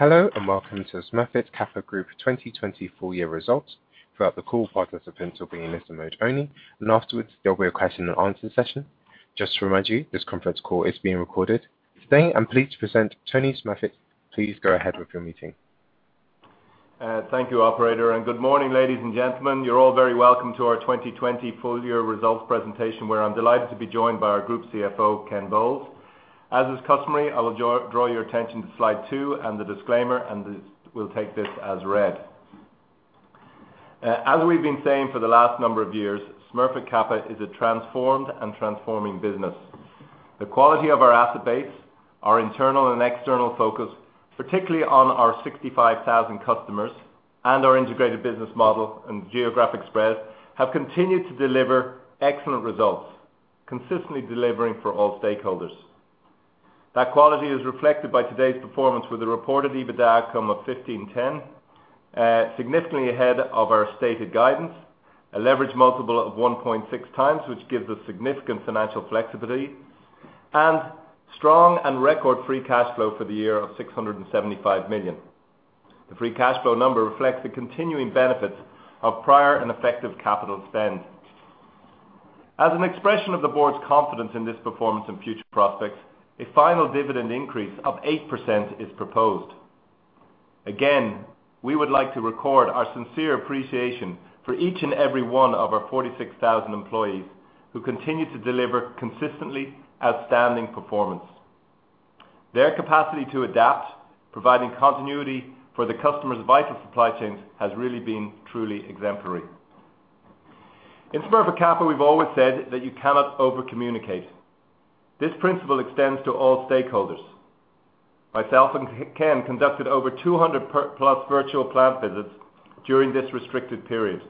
Hello and welcome to Smurfit Kappa 2024 year results. Throughout the call, participants will be in listen mode only, and afterwards there'll be a question and answer session. Just to remind you, this conference call is being recorded. Today, I'm pleased to present Tony Smurfit. Please go ahead with your meeting. Thank you, Operator, and good morning, ladies and gentlemen. You're all very welcome to our 2020 full year results presentation, where I'm delighted to be joined by our Group CFO, Ken Bowles. As is customary, I will draw your attention to slide 2 and the disclaimer, and we'll take this as read. As we've been saying for the last number of years, Smurfit Kappa is a transformed and transforming business. The quality of our asset base, our internal and external focus, particularly on our 65,000 customers, and our integrated business model and geographic spread have continued to deliver excellent results, consistently delivering for all stakeholders. That quality is reflected by today's performance with a reported EBITDA outcome of 1.510 million, significantly ahead of our stated guidance, a leverage multiple of 1.6x, which gives us significant financial flexibility, and strong and record free cash flow for the year of 675 million. The free cash flow number reflects the continuing benefits of prior and effective capital spend. As an expression of the board's confidence in this performance and future prospects, a final dividend increase of 8% is proposed. Again, we would like to record our sincere appreciation for each and every one of our 46,000 employees who continue to deliver consistently outstanding performance. Their capacity to adapt, providing continuity for the customers' vital supply chains, has really been truly exemplary. In Smurfit Kappa, we've always said that you cannot over-communicate. This principle extends to all stakeholders. Myself and Ken conducted over 200+ virtual plant visits during this restricted period.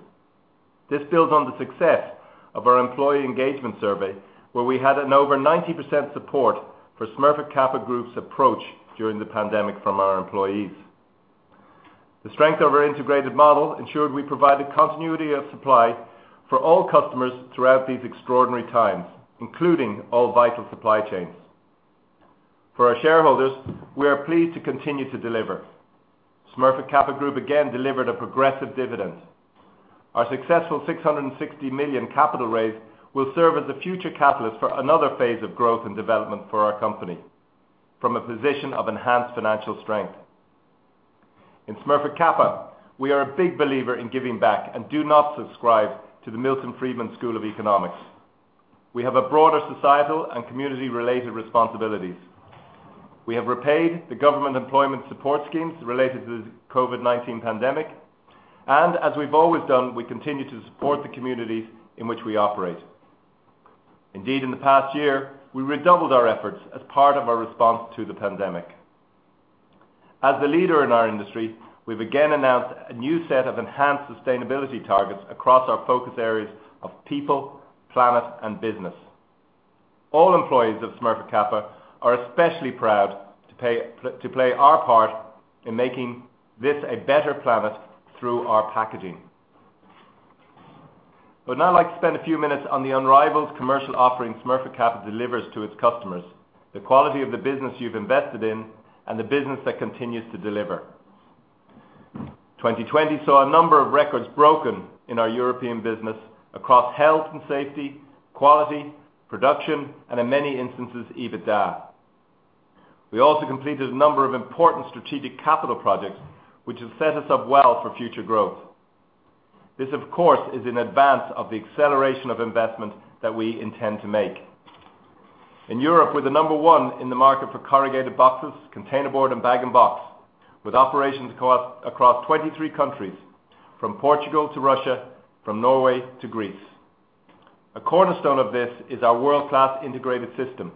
This builds on the success of our employee engagement survey, where we had an over 90% support for Smurfit Kappa's approach during the pandemic from our employees. The strength of our integrated model ensured we provided continuity of supply for all customers throughout these extraordinary times, including all vital supply chains. For our shareholders, we are pleased to continue to deliver. Smurfit Kappa again delivered a progressive dividend. Our successful 660 million capital raise will serve as a future catalyst for another phase of growth and development for our company from a position of enhanced financial strength. In Smurfit Kappa, we are a big believer in giving back and do not subscribe to the Milton Friedman School of Economics. We have broader societal and community-related responsibilities. We have repaid the government employment support schemes related to the COVID-19 pandemic, and as we've always done, we continue to support the communities in which we operate. Indeed, in the past year, we redoubled our efforts as part of our response to the pandemic. As the leader in our industry, we've again announced a new set of enhanced sustainability targets across our focus areas of people, planet, and business. All employees of Smurfit Kappa are especially proud to play our part in making this a better planet through our packaging. I would now like to spend a few minutes on the unrivaled commercial offering Smurfit Kappa delivers to its customers, the quality of the business you've invested in, and the business that continues to deliver. 2020 saw a number of records broken in our European business across health and safety, quality, production, and in many instances, EBITDA. We also completed a number of important strategic capital projects, which have set us up well for future growth. This, of course, is in advance of the acceleration of investment that we intend to make. In Europe, we're the number one in the market for corrugated boxes, containerboard, and Bag-in-Box, with operations across 23 countries, from Portugal to Russia, from Norway to Greece. A cornerstone of this is our world-class integrated system,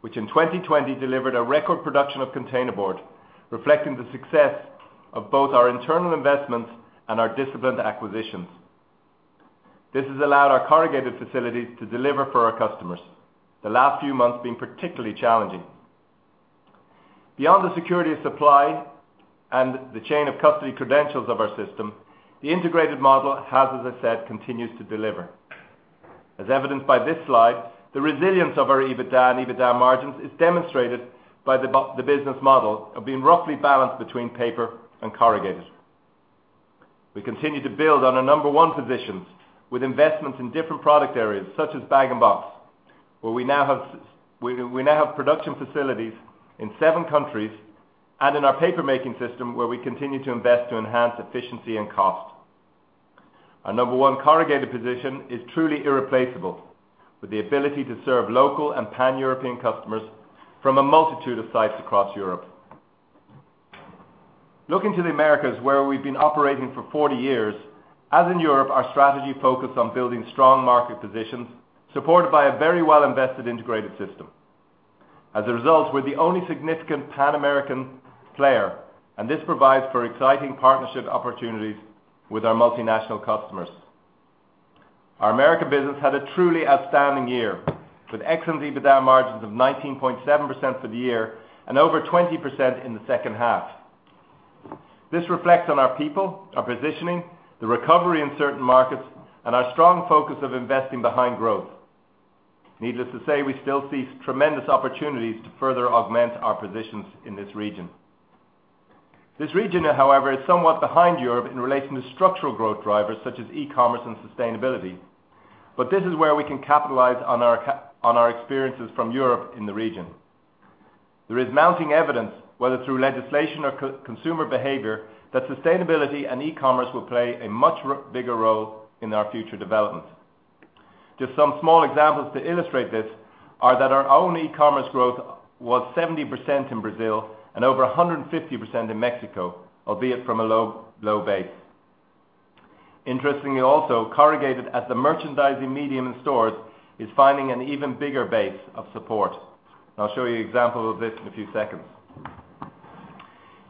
which in 2020 delivered a record production of containerboard, reflecting the success of both our internal investments and our disciplined acquisitions. This has allowed our corrugated facilities to deliver for our customers, the last few months being particularly challenging. Beyond the security of supply and the chain of custody credentials of our system, the integrated model has, as I said, continues to deliver. As evidenced by this slide, the resilience of our EBITDA and EBITDA margins is demonstrated by the business model of being roughly balanced between paper and corrugated. We continue to build on our number one positions with investments in different product areas, such as Bag-in-Box, where we now have production facilities in 7 countries and in our paper-making system, where we continue to invest to enhance efficiency and cost. Our number one corrugated position is truly irreplaceable, with the ability to serve local and pan-European customers from a multitude of sites across Europe. Looking to the Americas, where we've been operating for 40 years, as in Europe, our strategy focused on building strong market positions supported by a very well-invested integrated system. As a result, we're the only significant Pan-American player, and this provides for exciting partnership opportunities with our multinational customers. Our American business had a truly outstanding year, with excellent EBITDA margins of 19.7% for the year and over 20% in the second half. This reflects on our people, our positioning, the recovery in certain markets, and our strong focus of investing behind growth. Needless to say, we still see tremendous opportunities to further augment our positions in this region. This region, however, is somewhat behind Europe in relation to structural growth drivers such as e-commerce and sustainability, but this is where we can capitalize on our experiences from Europe in the region. There is mounting evidence, whether through legislation or consumer behavior, that sustainability and e-commerce will play a much bigger role in our future development. Just some small examples to illustrate this are that our own e-commerce growth was 70% in Brazil and over 150% in Mexico, albeit from a low base. Interestingly also, corrugated, as the merchandising medium in stores, is finding an even bigger base of support. I'll show you an example of this in a few seconds.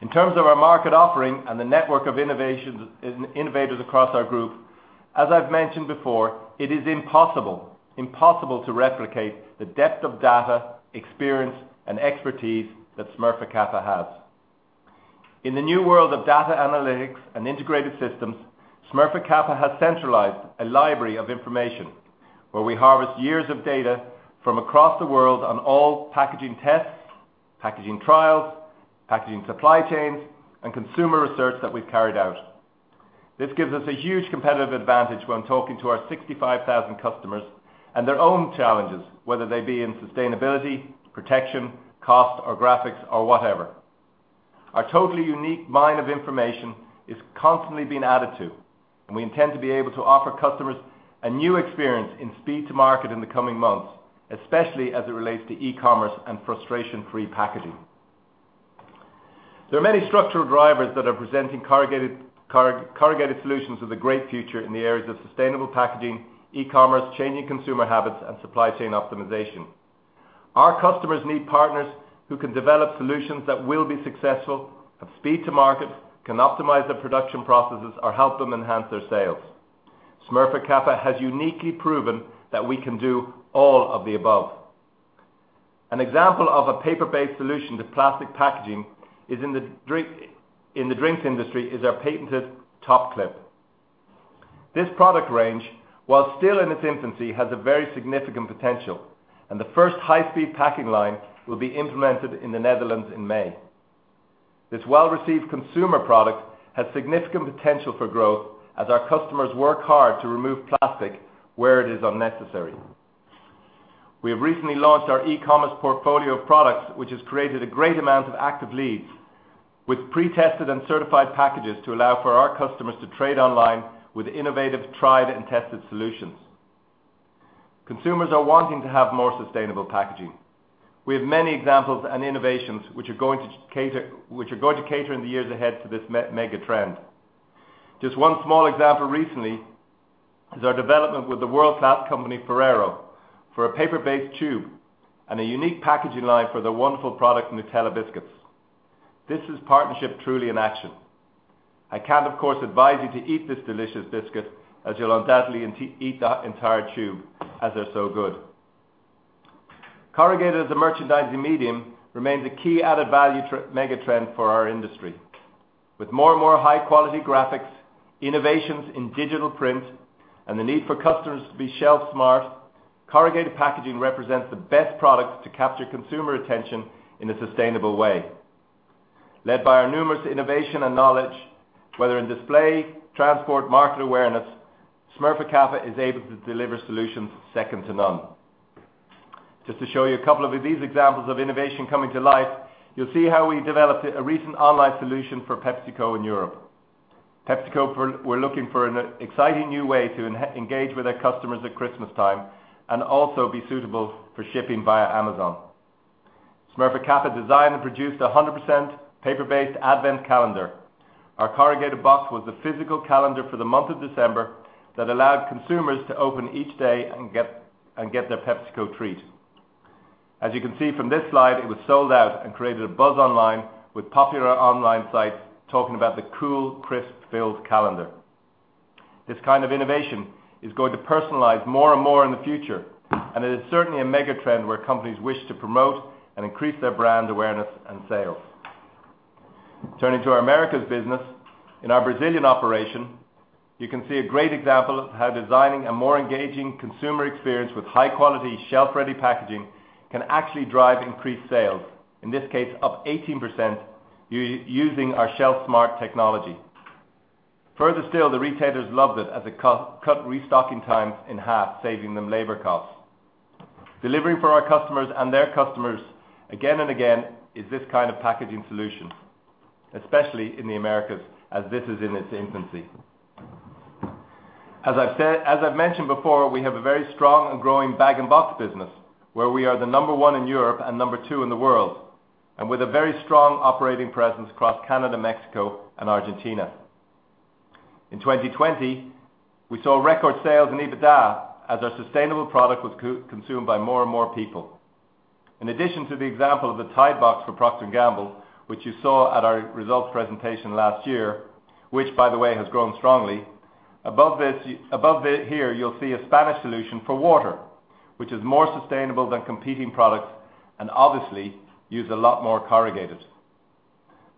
In terms of our market offering and the network of innovators across our group, as I've mentioned before, it is impossible to replicate the depth of data, experience, and expertise that Smurfit Kappa has. In the new world of data analytics and integrated systems, Smurfit Kappa has centralized a library of information where we harvest years of data from across the world on all packaging tests, packaging trials, packaging supply chains, and consumer research that we've carried out. This gives us a huge competitive advantage when talking to our 65,000 customers and their own challenges, whether they be in sustainability, protection, cost, or graphics, or whatever. Our totally unique mine of information is constantly being added to, and we intend to be able to offer customers a new experience in speed to market in the coming months, especially as it relates to e-commerce and frustration-free packaging. There are many structural drivers that are presenting corrugated solutions with a great future in the areas of sustainable packaging, e-commerce, changing consumer habits, and supply chain optimization. Our customers need partners who can develop solutions that will be successful, have speed to market, can optimize their production processes, or help them enhance their sales. Smurfit has uniquely proven that we can do all of the above. An example of a paper-based solution to plastic packaging in the drinks industry is our patented TopClip. This product range, while still in its infancy, has a very significant potential, and the first high-speed packing line will be implemented in the Netherlands in May. This well-received consumer product has significant potential for growth as our customers work hard to remove plastic where it is unnecessary. We have recently launched our e-commerce portfolio of products, which has created a great amount of active leads, with pre-tested and certified packages to allow for our customers to trade online with innovative, tried, and tested solutions. Consumers are wanting to have more sustainable packaging. We have many examples and innovations which are going to cater in the years ahead to this mega trend. Just one small example recently is our development with the world-class company Ferrero for a paper-based tube and a unique packaging line for their wonderful product, Nutella Biscuits. This is partnership truly in action. I can't, of course, advise you to eat this delicious biscuit as you'll undoubtedly eat that entire tube as they're so good. Corrugated, as a merchandising medium, remains a key added value mega trend for our industry. With more and more high-quality graphics, innovations in digital print, and the need for customers to be shelf smart, corrugated packaging represents the best product to capture consumer attention in a sustainable way. Led by our numerous innovation and knowledge, whether in display, transport, market awareness, Smurfit Kappa is able to deliver solutions second to none. Just to show you a couple of these examples of innovation coming to life, you'll see how we developed a recent online solution for PepsiCo in Europe. PepsiCo were looking for an exciting new way to engage with their customers at Christmas time and also be suitable for shipping via Amazon. Smurfit Kappa designed and produced a 100% paper-based advent calendar. Our corrugated box was the physical calendar for the month of December that allowed consumers to open each day and get their PepsiCo treat. As you can see from this slide, it was sold out and created a buzz online with popular online sites talking about the cool, crisp, filled calendar. This kind of innovation is going to personalize more and more in the future, and it is certainly a mega trend where companies wish to promote and increase their brand awareness and sales. Turning to our Americas business, in our Brazilian operation, you can see a great example of how designing a more engaging consumer experience with high-quality, shelf-ready packaging can actually drive increased sales, in this case, up 18% using our ShelfSmart technology. Further still, the retailers loved it as it cut restocking times in half, saving them labor costs. Delivering for our customers and their customers again and again is this kind of packaging solution, especially in the Americas as this is in its infancy. As I've mentioned before, we have a very strong and growing Bag-in-Box business where we are the number 1 in Europe and number 2 in the world, and with a very strong operating presence across Canada, Mexico, and Argentina. In 2020, we saw record sales in EBITDA as our sustainable product was consumed by more and more people. In addition to the example of the Tide box for Procter & Gamble, which you saw at our results presentation last year, which, by the way, has grown strongly, above here you'll see a Spanish solution for water, which is more sustainable than competing products and obviously uses a lot more corrugated.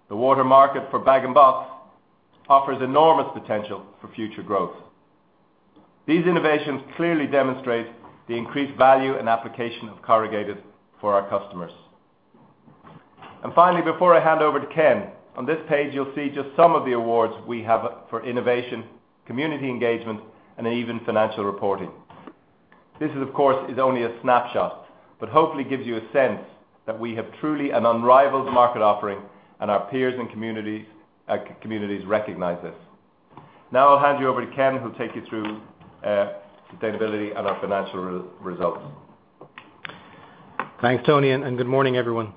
The water market for Bag-in-Box offers enormous potential for future growth. These innovations clearly demonstrate the increased value and application of corrugated for our customers. And finally, before I hand over to Ken, on this page, you'll see just some of the awards we have for innovation, community engagement, and even financial reporting. This, of course, is only a snapshot, but hopefully gives you a sense that we have truly an unrivaled market offering and our peers and communities recognize this. Now I'll hand you over to Ken, who'll take you through sustainability and our financial results. Thanks, Tony, and good morning, everyone.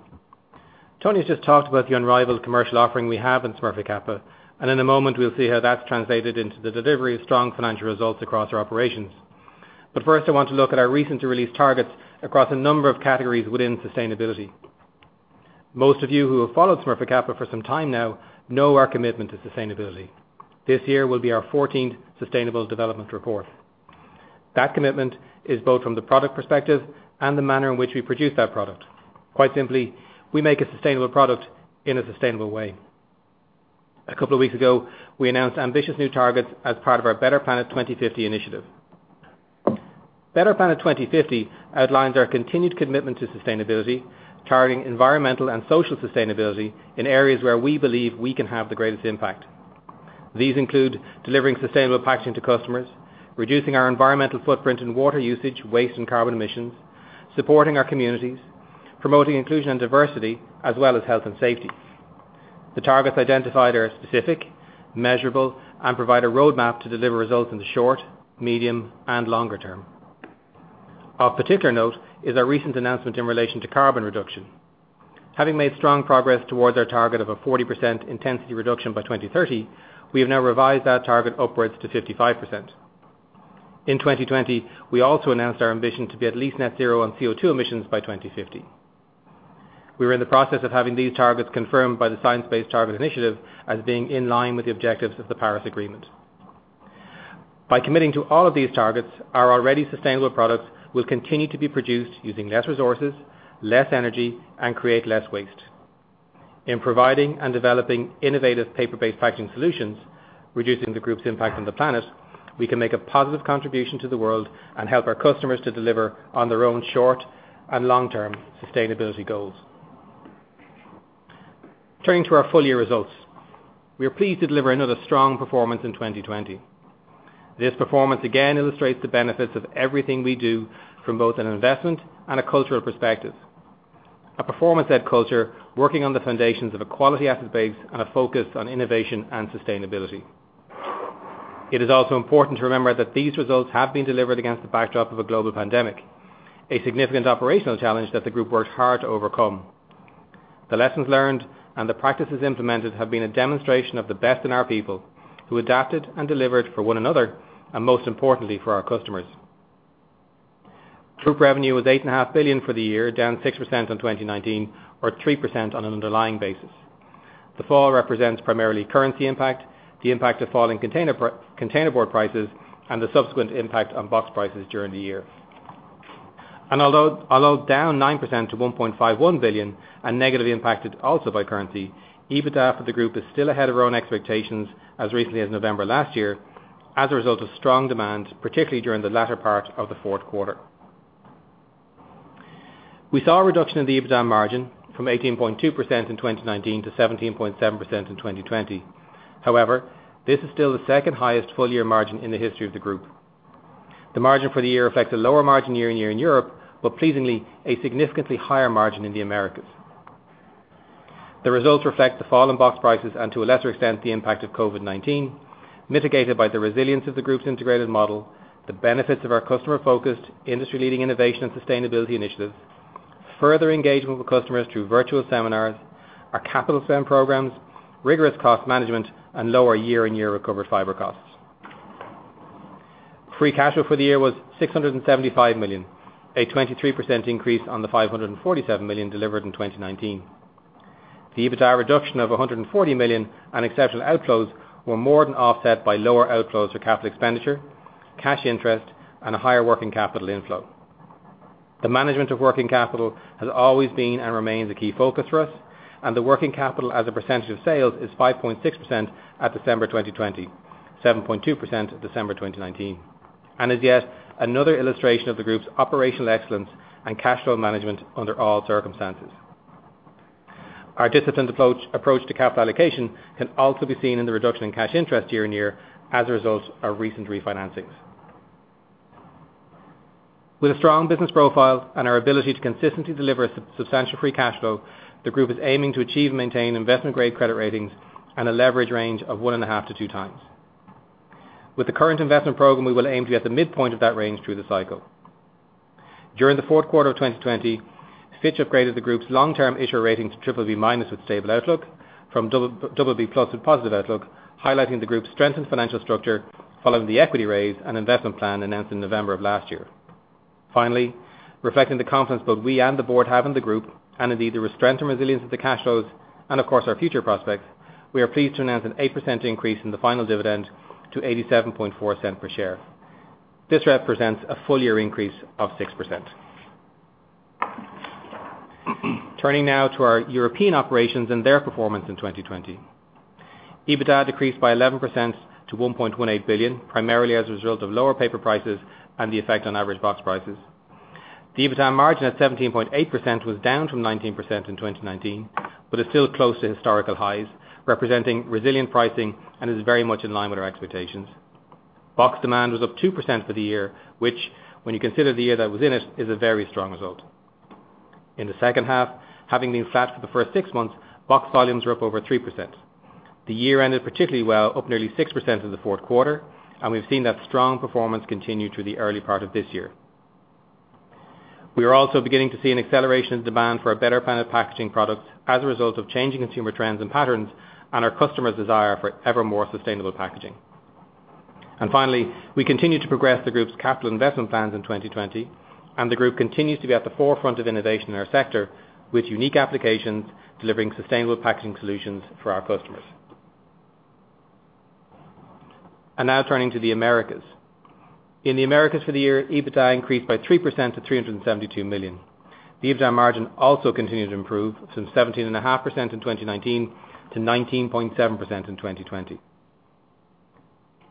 Tony has just talked about the unrivaled commercial offering we have in Smurfit Kappa, and in a moment, we'll see how that's translated into the delivery of strong financial results across our operations. But first, I want to look at our recently released targets across a number of categories within sustainability. Most of you who have followed Smurfit Kappa for some time now know our commitment to sustainability. This year will be our 14th sustainable development report. That commitment is both from the product perspective and the manner in which we produce that product. Quite simply, we make a sustainable product in a sustainable way. A couple of weeks ago, we announced ambitious new targets as part of our Better Planet 2050 initiative. Better Planet 2050 outlines our continued commitment to sustainability, targeting environmental and social sustainability in areas where we believe we can have the greatest impact. These include delivering sustainable packaging to customers, reducing our environmental footprint and water usage, waste, and carbon emissions, supporting our communities, promoting inclusion and diversity, as well as health and safety. The targets identified are specific, measurable, and provide a roadmap to deliver results in the short, medium, and longer term. Of particular note is our recent announcement in relation to carbon reduction. Having made strong progress towards our target of a 40% intensity reduction by 2030, we have now revised that target upwards to 55%. In 2020, we also announced our ambition to be at least net zero on CO2 emissions by 2050. We were in the process of having these targets confirmed by the Science Based Target Initiative as being in line with the objectives of the Paris Agreement. By committing to all of these targets, our already sustainable products will continue to be produced using less resources, less energy, and create less waste. In providing and developing innovative paper-based packaging solutions, reducing the group's impact on the planet, we can make a positive contribution to the world and help our customers to deliver on their own short and long-term sustainability goals. Turning to our full year results, we are pleased to deliver another strong performance in 2020. This performance again illustrates the benefits of everything we do from both an investment and a cultural perspective, a performance-led culture working on the foundations of a quality asset base and a focus on innovation and sustainability. It is also important to remember that these results have been delivered against the backdrop of a global pandemic, a significant operational challenge that the group worked hard to overcome. The lessons learned and the practices implemented have been a demonstration of the best in our people who adapted and delivered for one another and, most importantly, for our customers. Group revenue was 8.5 billion for the year, down 6% on 2019, or 3% on an underlying basis. The fall represents primarily currency impact, the impact of falling containerboard prices, and the subsequent impact on box prices during the year. Although down 9% to 1.51 billion and negatively impacted also by currency, EBITDA for the group is still ahead of our own expectations as recently as November last year as a result of strong demand, particularly during the latter part of the fourth quarter. We saw a reduction in the EBITDA margin from 18.2% in 2019 to 17.7% in 2020. However, this is still the second highest full year margin in the history of the group. The margin for the year reflects a lower margin year-on-year in Europe, but pleasingly, a significantly higher margin in the Americas. The results reflect the fall in box prices and, to a lesser extent, the impact of COVID-19, mitigated by the resilience of the group's integrated model, the benefits of our customer-focused, industry-leading innovation and sustainability initiatives, further engagement with customers through virtual seminars, our capital spend programs, rigorous cost management, and lower year-on-year recovered fiber costs. Free cash flow for the year was 675 million, a 23% increase on the 547 million delivered in 2019. The EBITDA reduction of 140 million and exceptional outflows were more than offset by lower outflows for capital expenditure, cash interest, and a higher working capital inflow. The management of working capital has always been and remains a key focus for us, and the working capital as a percentage of sales is 5.6% at December 2020, 7.2% at December 2019, and is yet another illustration of the group's operational excellence and cash flow management under all circumstances. Our disciplined approach to capital allocation can also be seen in the reduction in cash interest year-over-year as a result of recent refinancings. With a strong business profile and our ability to consistently deliver a substantial free cash flow, the group is aiming to achieve and maintain investment-grade credit ratings and a leverage range of 1.5-2 times. With the current investment program, we will aim to be at the midpoint of that range through the cycle. During the fourth quarter of 2020, Fitch upgraded the group's long-term issuer rating to BBB minus with stable outlook from BBB plus with positive outlook, highlighting the group's strengthened financial structure following the equity raise and investment plan announced in November of last year. Finally, reflecting the confidence both we and the board have in the group and indeed the strength and resilience of the cash flows and, of course, our future prospects, we are pleased to announce an 8% increase in the final dividend to 0.874 per share. This represents a full year increase of 6%. Turning now to our European operations and their performance in 2020. EBITDA decreased by 11% to 1.18 billion, primarily as a result of lower paper prices and the effect on average box prices. The EBITDA margin at 17.8% was down from 19% in 2019, but is still close to historical highs, representing resilient pricing and is very much in line with our expectations. Box demand was up 2% for the year, which, when you consider the year that was in it, is a very strong result. In the second half, having been flat for the first six months, box volumes were up over 3%. The year ended particularly well, up nearly 6% in the fourth quarter, and we've seen that strong performance continue through the early part of this year. We are also beginning to see an acceleration in demand for a Better Planet Packaging product as a result of changing consumer trends and patterns and our customers' desire for ever more sustainable packaging. Finally, we continue to progress the group's capital investment plans in 2020, and the group continues to be at the forefront of innovation in our sector with unique applications delivering sustainable packaging solutions for our customers. Now turning to the Americas. In the Americas for the year, EBITDA increased by 3% to 372 million. The EBITDA margin also continued to improve from 17.5% in 2019 to 19.7% in 2020.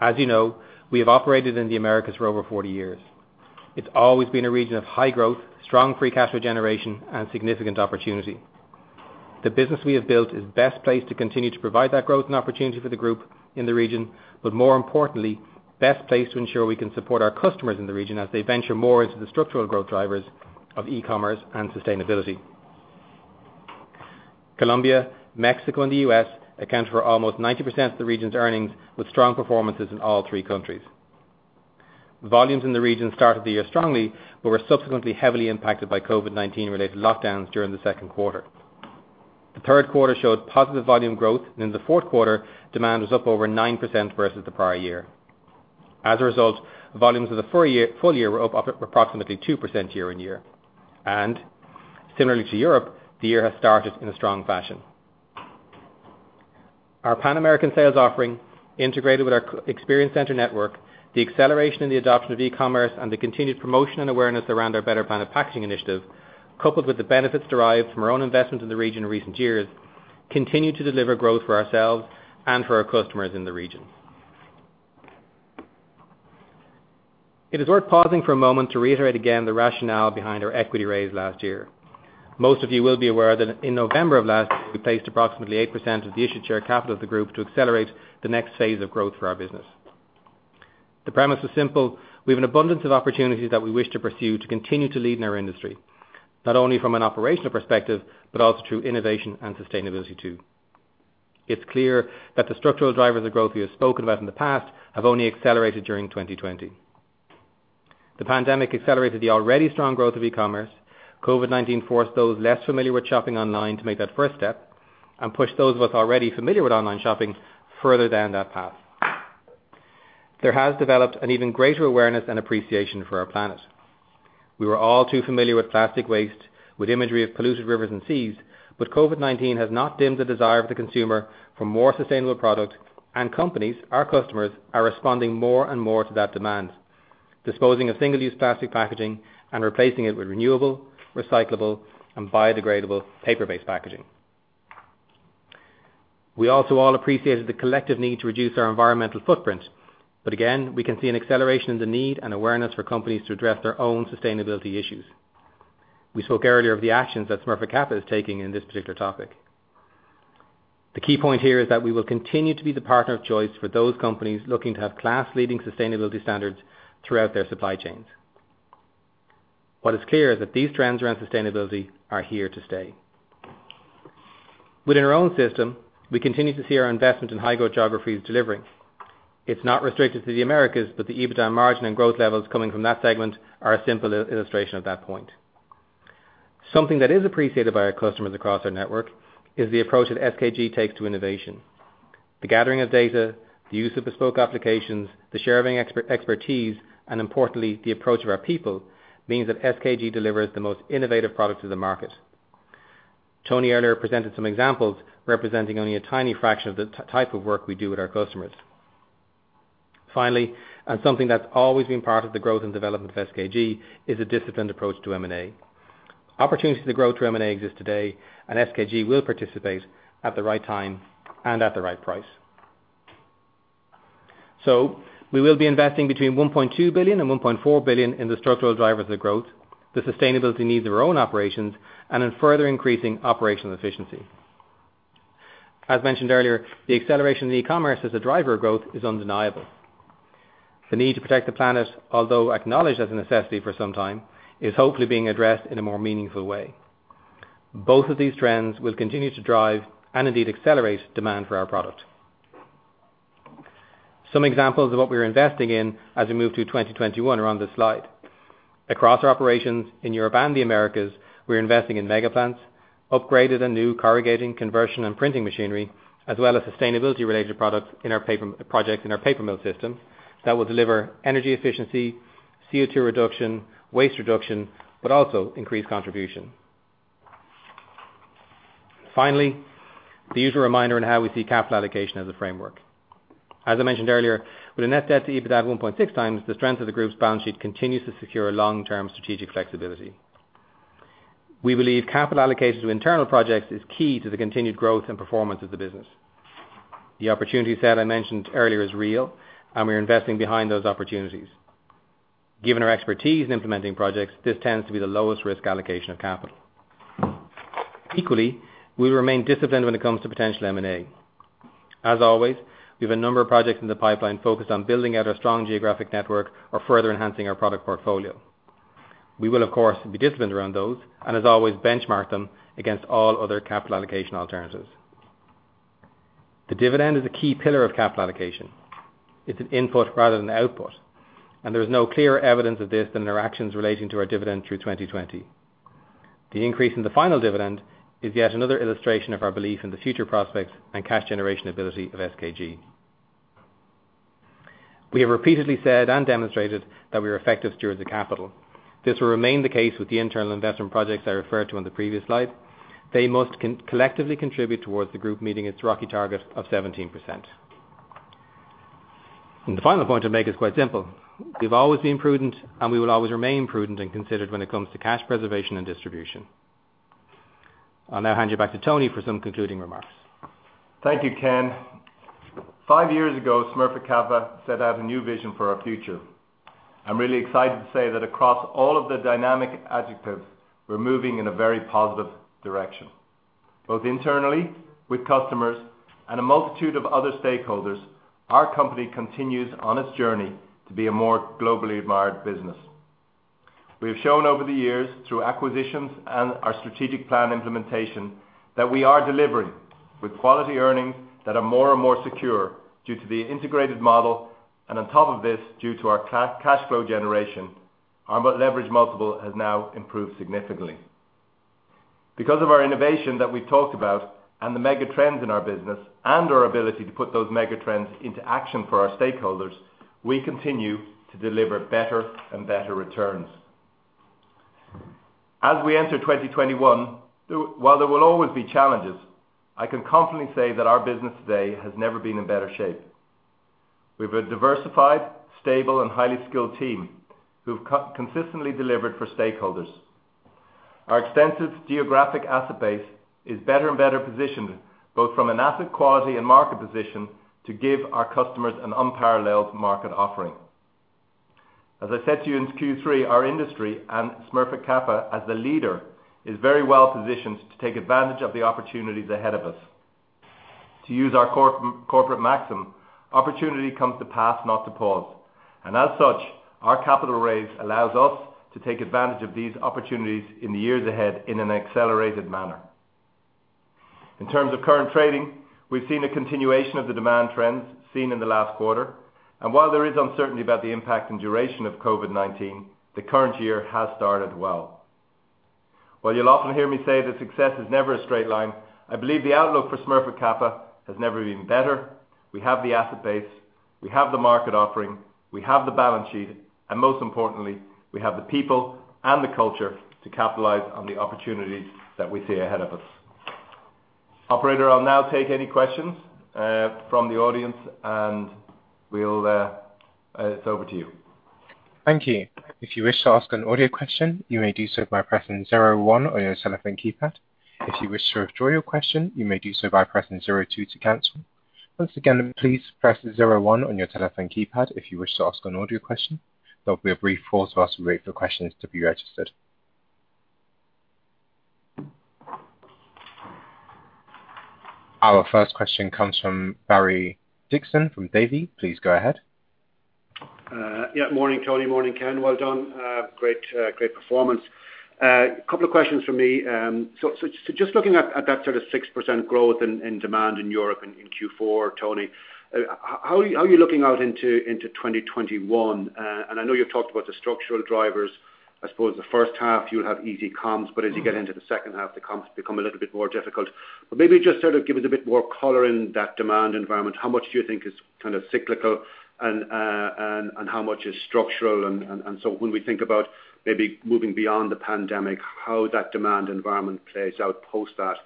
As you know, we have operated in the Americas for over 40 years. It's always been a region of high growth, strong free cash flow generation, and significant opportunity. The business we have built is best placed to continue to provide that growth and opportunity for the group in the region, but more importantly, best placed to ensure we can support our customers in the region as they venture more into the structural growth drivers of e-commerce and sustainability. Colombia, Mexico, and the U.S. account for almost 90% of the region's earnings with strong performances in all three countries. Volumes in the region started the year strongly, but were subsequently heavily impacted by COVID-19-related lockdowns during the second quarter. The third quarter showed positive volume growth, and in the fourth quarter, demand was up over 9% versus the prior year. As a result, volumes of the full year were up approximately 2% year-on-year, and similarly to Europe, the year has started in a strong fashion. Our Pan-American sales offering, integrated with our Experience Center network, the acceleration in the adoption of e-commerce, and the continued promotion and awareness around our Better Planet Packaging initiative, coupled with the benefits derived from our own investment in the region in recent years, continue to deliver growth for ourselves and for our customers in the region. It is worth pausing for a moment to reiterate again the rationale behind our equity raise last year. Most of you will be aware that in November of last year, we placed approximately 8% of the issued share capital of the group to accelerate the next phase of growth for our business. The premise was simple. We have an abundance of opportunities that we wish to pursue to continue to lead in our industry, not only from an operational perspective, but also through innovation and sustainability too. It's clear that the structural drivers of growth we have spoken about in the past have only accelerated during 2020. The pandemic accelerated the already strong growth of e-commerce. COVID-19 forced those less familiar with shopping online to make that first step and pushed those of us already familiar with online shopping further down that path. There has developed an even greater awareness and appreciation for our planet. We were all too familiar with plastic waste, with imagery of polluted rivers and seas, but COVID-19 has not dimmed the desire of the consumer for more sustainable products, and companies, our customers, are responding more and more to that demand, disposing of single-use plastic packaging and replacing it with renewable, recyclable, and biodegradable paper-based packaging. We also all appreciated the collective need to reduce our environmental footprint, but again, we can see an acceleration in the need and awareness for companies to address their own sustainability issues. We spoke earlier of the actions that Smurfit Kappa is taking in this particular topic. The key point here is that we will continue to be the partner of choice for those companies looking to have class-leading sustainability standards throughout their supply chains. What is clear is that these trends around sustainability are here to stay. Within our own system, we continue to see our investment in high-growth geographies delivering. It's not restricted to the Americas, but the EBITDA margin and growth levels coming from that segment are a simple illustration of that point. Something that is appreciated by our customers across our network is the approach that SKG takes to innovation. The gathering of data, the use of bespoke applications, the sharing of expertise, and importantly, the approach of our people means that SKG delivers the most innovative product to the market. Tony earlier presented some examples representing only a tiny fraction of the type of work we do with our customers. Finally, and something that's always been part of the growth and development of SKG, is a disciplined approach to M&A. Opportunities to grow through M&A exist today, and SKG will participate at the right time and at the right price. So we will be investing between 1.2 billion and 1.4 billion in the structural drivers of growth, the sustainability needs of our own operations, and in further increasing operational efficiency. As mentioned earlier, the acceleration in e-commerce as a driver of growth is undeniable. The need to protect the planet, although acknowledged as a necessity for some time, is hopefully being addressed in a more meaningful way. Both of these trends will continue to drive and indeed accelerate demand for our product. Some examples of what we are investing in as we move through 2021 are on this slide. Across our operations in Europe and the Americas, we are investing in mega plants, upgraded and new corrugating, conversion, and printing machinery, as well as sustainability-related products in our projects in our paper mill system that will deliver energy efficiency, CO2 reduction, waste reduction, but also increased contribution. Finally, the usual reminder on how we see capital allocation as a framework. As I mentioned earlier, with a net debt to EBITDA of 1.6 times, the strength of the group's balance sheet continues to secure long-term strategic flexibility. We believe capital allocated to internal projects is key to the continued growth and performance of the business. The opportunity set I mentioned earlier is real, and we are investing behind those opportunities. Given our expertise in implementing projects, this tends to be the lowest risk allocation of capital. Equally, we will remain disciplined when it comes to potential M&A. As always, we have a number of projects in the pipeline focused on building out our strong geographic network or further enhancing our product portfolio. We will, of course, be disciplined around those and, as always, benchmark them against all other capital allocation alternatives. The dividend is a key pillar of capital allocation. It's an input rather than an output, and there is no clearer evidence of this than our actions relating to our dividend through 2020. The increase in the final dividend is yet another illustration of our belief in the future prospects and cash generation ability of SKG. We have repeatedly said and demonstrated that we are effective stewards of capital. This will remain the case with the internal investment projects I referred to on the previous slide. They must collectively contribute towards the group meeting its ROCE target of 17%. The final point I'll make is quite simple. We've always been prudent, and we will always remain prudent and considerate when it comes to cash preservation and distribution. I'll now hand you back to Tony for some concluding remarks. Thank you, Ken. Five years ago, Smurfit Kappa set out a new vision for our future. I'm really excited to say that across all of the dynamic adjectives, we're moving in a very positive direction. Both internally, with customers and a multitude of other stakeholders, our company continues on its journey to be a more globally admired business. We have shown over the years through acquisitions and our strategic plan implementation that we are delivering with quality earnings that are more and more secure due to the integrated model, and on top of this, due to our cash flow generation, our leverage multiple has now improved significantly. Because of our innovation that we've talked about and the mega trends in our business and our ability to put those mega trends into action for our stakeholders, we continue to deliver better and better returns. As we enter 2021, while there will always be challenges, I can confidently say that our business today has never been in better shape. We have a diversified, stable, and highly skilled team who have consistently delivered for stakeholders. Our extensive geographic asset base is better and better positioned, both from an asset quality and market position, to give our customers an unparalleled market offering. As I said to you in Q3, our industry and Smurfit Kappa as the leader is very well positioned to take advantage of the opportunities ahead of us. To use our corporate maxim, "Opportunity comes to pass, not to pause," and as such, our capital raise allows us to take advantage of these opportunities in the years ahead in an accelerated manner. In terms of current trading, we've seen a continuation of the demand trends seen in the last quarter, and while there is uncertainty about the impact and duration of COVID-19, the current year has started well. While you'll often hear me say that success is never a straight line, I believe the outlook for Smurfit Kappa has never been better. We have the asset base. We have the market offering. We have the balance sheet. And most importantly, we have the people and the culture to capitalize on the opportunities that we see ahead of us. Operator, I'll now take any questions from the audience, and it's over to you. Thank you. If you wish to ask an audio question, you may do so by pressing 01 on your telephone keypad. If you wish to withdraw your question, you may do so by pressing 02 to cancel. Once again, please press 01 on your telephone keypad if you wish to ask an audio question. There will be a brief pause while we wait for questions to be registered. Our first question comes from Barry Dixon from Davy. Please go ahead. Yeah. Morning, Tony. Morning, Ken. Well done. Great performance. A couple of questions for me. So just looking at that sort of 6% growth in demand in Europe in Q4, Tony, how are you looking out into 2021? And I know you've talked about the structural drivers. I suppose the first half, you'll have easy comps, but as you get into the second half, the comps become a little bit more difficult. But maybe just sort of give us a bit more color in that demand environment. How much do you think is kind of cyclical, and how much is structural? And so when we think about maybe moving beyond the pandemic, how that demand environment plays out post that.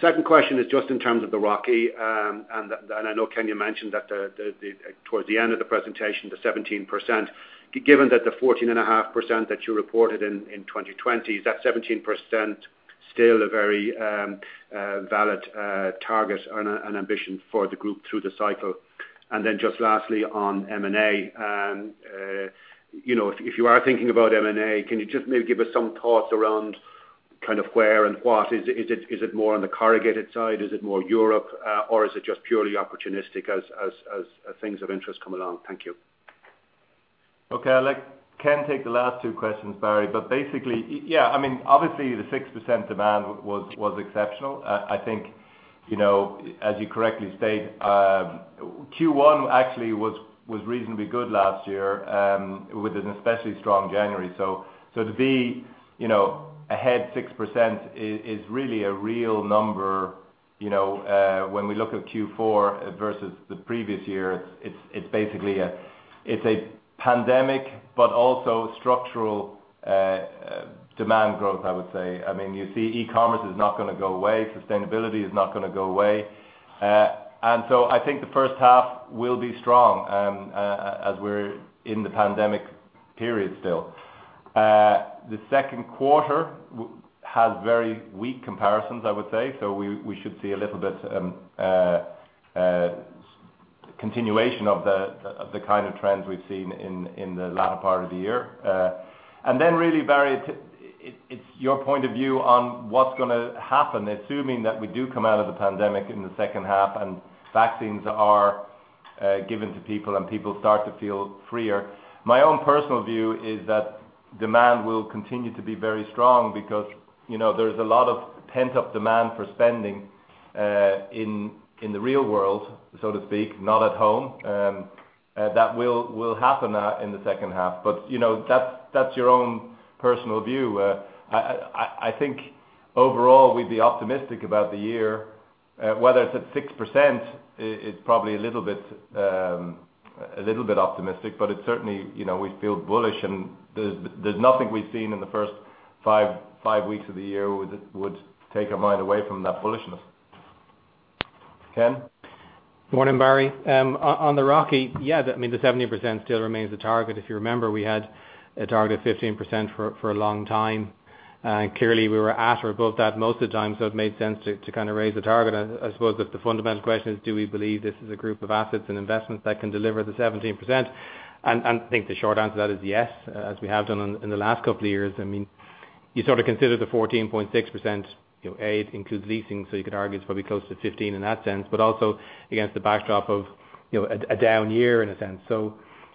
Second question is just in terms of the ROCE, and I know Ken you mentioned that towards the end of the presentation, the 17%, given that the 14.5% that you reported in 2020, is that 17% still a very valid target and ambition for the group through the cycle? And then just lastly on M&A, if you are thinking about M&A, can you just maybe give us some thoughts around kind of where and what? Is it more on the corrugated side? Is it more Europe? Or is it just purely opportunistic as things of interest come along? Thank you. Okay. I'll let Ken take the last two questions, Barry. But basically, yeah, I mean, obviously, the 6% demand was exceptional. I think, as you correctly stated, Q1 actually was reasonably good last year with an especially strong January. So to be ahead 6% is really a real number. When we look at Q4 versus the previous year, it's basically a pandemic, but also structural demand growth, I would say. I mean, you see e-commerce is not going to go away. Sustainability is not going to go away. And so I think the first half will be strong as we're in the pandemic period still. The second quarter has very weak comparisons, I would say. So we should see a little bit of continuation of the kind of trends we've seen in the latter part of the year. Then really, Barry, it's your point of view on what's going to happen, assuming that we do come out of the pandemic in the second half and vaccines are given to people and people start to feel freer. My own personal view is that demand will continue to be very strong because there is a lot of pent-up demand for spending in the real world, so to speak, not at home, that will happen in the second half. But that's your own personal view. I think overall, we'd be optimistic about the year. Whether it's at 6%, it's probably a little bit optimistic, but it's certainly we feel bullish, and there's nothing we've seen in the first 5 weeks of the year that would take our mind away from that bullishness. Ken? Morning, Barry. On the ROCE, yeah, I mean, the 70% still remains the target. If you remember, we had a target of 15% for a long time. Clearly, we were at or above that most of the time, so it made sense to kind of raise the target. I suppose that the fundamental question is, do we believe this is a group of assets and investments that can deliver the 17%? And I think the short answer to that is yes, as we have done in the last couple of years. I mean, you sort of consider the 14.6% that includes leasing, so you could argue it's probably close to 15% in that sense, but also against the backdrop of a down year in a sense.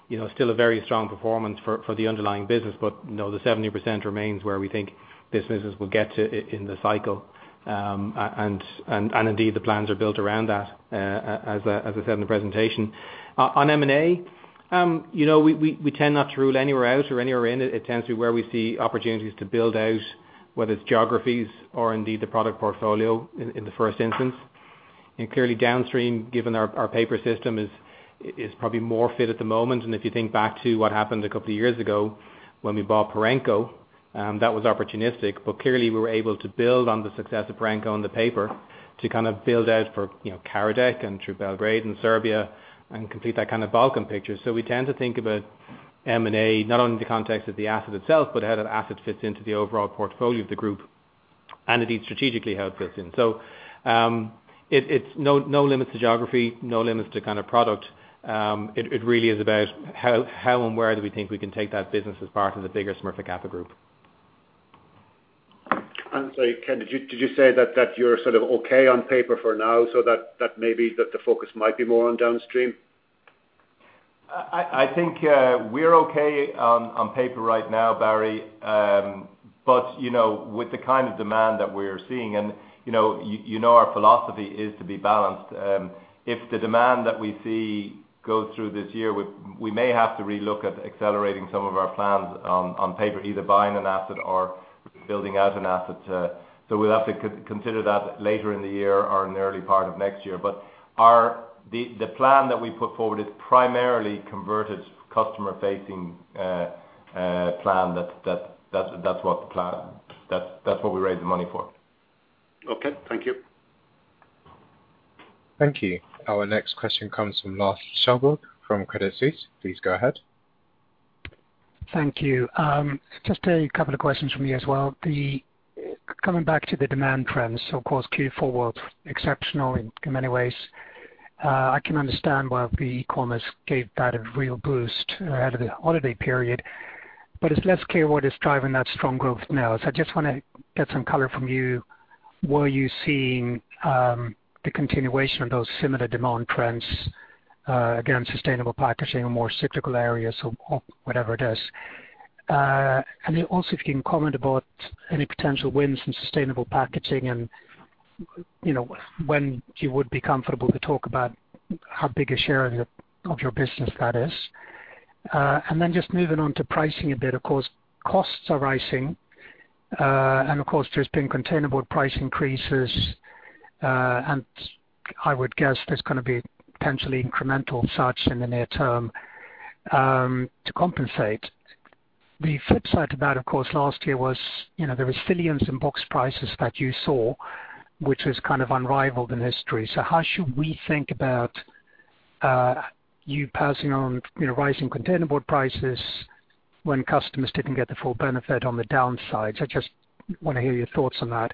Still a very strong performance for the underlying business, but the 70% remains where we think this business will get to in the cycle. Indeed, the plans are built around that, as I said in the presentation. On M&A, we tend not to rule anywhere out or anywhere in. It tends to be where we see opportunities to build out, whether it's geographies or indeed the product portfolio in the first instance. Clearly, downstream, given our paper system is probably more fit at the moment. If you think back to what happened a couple of years ago when we bought Parenco, that was opportunistic. But clearly, we were able to build on the success of Parenco on the paper to kind of build out for Karadec and through Belgrade and Serbia and complete that kind of Balkan picture. So we tend to think about M&A not only in the context of the asset itself, but how that asset fits into the overall portfolio of the group and indeed strategically how it fits in. So it's no limits to geography, no limits to kind of product. It really is about how and where do we think we can take that business as part of the bigger Smurfit Kappa Group. Sorry, Ken, did you say that you're sort of okay on paper for now, so that maybe the focus might be more on downstream? I think we're okay on paper right now, Barry, but with the kind of demand that we're seeing, and you know our philosophy is to be balanced. If the demand that we see goes through this year, we may have to relook at accelerating some of our plans on paper, either buying an asset or building out an asset. So we'll have to consider that later in the year or in the early part of next year. But the plan that we put forward is primarily a converted customer-facing plan. That's what we raise the money for. Okay. Thank you. Thank you. Our next question comes from Lars Kjellberg from Credit Suisse. Please go ahead. Thank you. Just a couple of questions from me as well. Coming back to the demand trends, of course, Q4 was exceptional in many ways. I can understand why the e-commerce gave that a real boost ahead of the holiday period, but it's less clear what is driving that strong growth now. So I just want to get some color from you. Were you seeing the continuation of those similar demand trends against sustainable packaging or more cyclical areas or whatever it is? And also, if you can comment about any potential wins in sustainable packaging and when you would be comfortable to talk about how big a share of your business that is. And then just moving on to pricing a bit. Of course, costs are rising, and of course, there's been containerboard price increases, and I would guess there's going to be potentially incremental such in the near term to compensate. The flip side to that, of course, last year was the resilience in box prices that you saw, which has kind of unrivaled in history. So how should we think about you passing on rising containerboard prices when customers didn't get the full benefit on the downside? So I just want to hear your thoughts on that.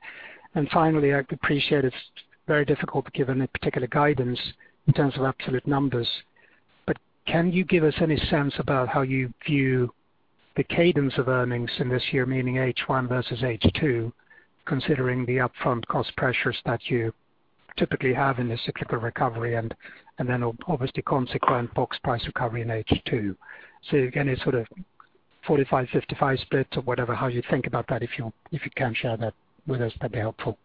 And finally, I appreciate it's very difficult to give any particular guidance in terms of absolute numbers, but can you give us any sense about how you view the cadence of earnings in this year, meaning H1 versus H2, considering the upfront cost pressures that you typically have in the cyclical recovery and then obviously consequent box price recovery in H2? So again, it's sort of 45-55 split or whatever, how you think about that. If you can share that with us, that'd be helpful.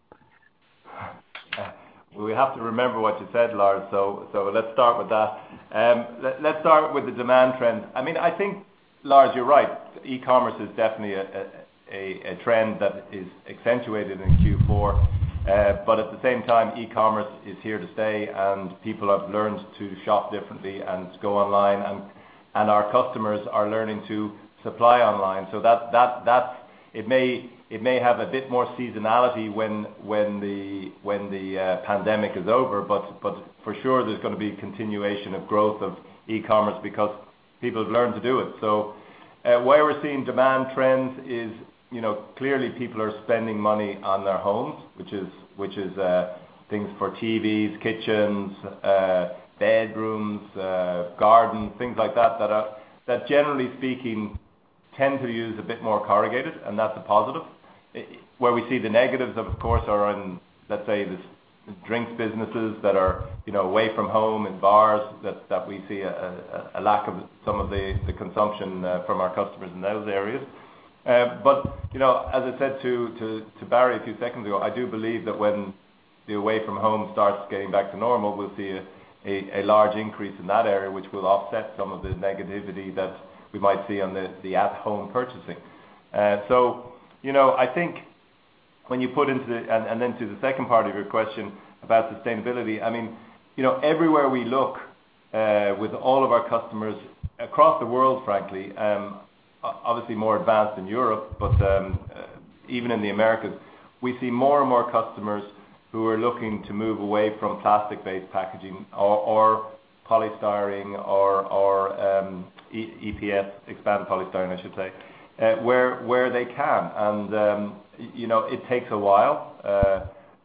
We have to remember what you said, Lars. So let's start with that. Let's start with the demand trends. I mean, I think, Lars, you're right. E-commerce is definitely a trend that is accentuated in Q4, but at the same time, e-commerce is here to stay, and people have learned to shop differently and go online, and our customers are learning to supply online. So it may have a bit more seasonality when the pandemic is over, but for sure, there's going to be continuation of growth of e-commerce because people have learned to do it. So where we're seeing demand trends is clearly people are spending money on their homes, which is things for TVs, kitchens, bedrooms, gardens, things like that that, generally speaking, tend to use a bit more corrugated, and that's a positive. Where we see the negatives, of course, are in, let's say, the drinks businesses that are away from home in bars that we see a lack of some of the consumption from our customers in those areas. But as I said to Barry a few seconds ago, I do believe that when the away from home starts getting back to normal, we'll see a large increase in that area, which will offset some of the negativity that we might see on the at-home purchasing. So I think when you put into the and then to the second part of your question about sustainability, I mean, everywhere we look with all of our customers across the world, frankly, obviously more advanced than Europe, but even in the Americas, we see more and more customers who are looking to move away from plastic-based packaging or polystyrene or EPS, expanded polystyrene, I should say, where they can. And it takes a while.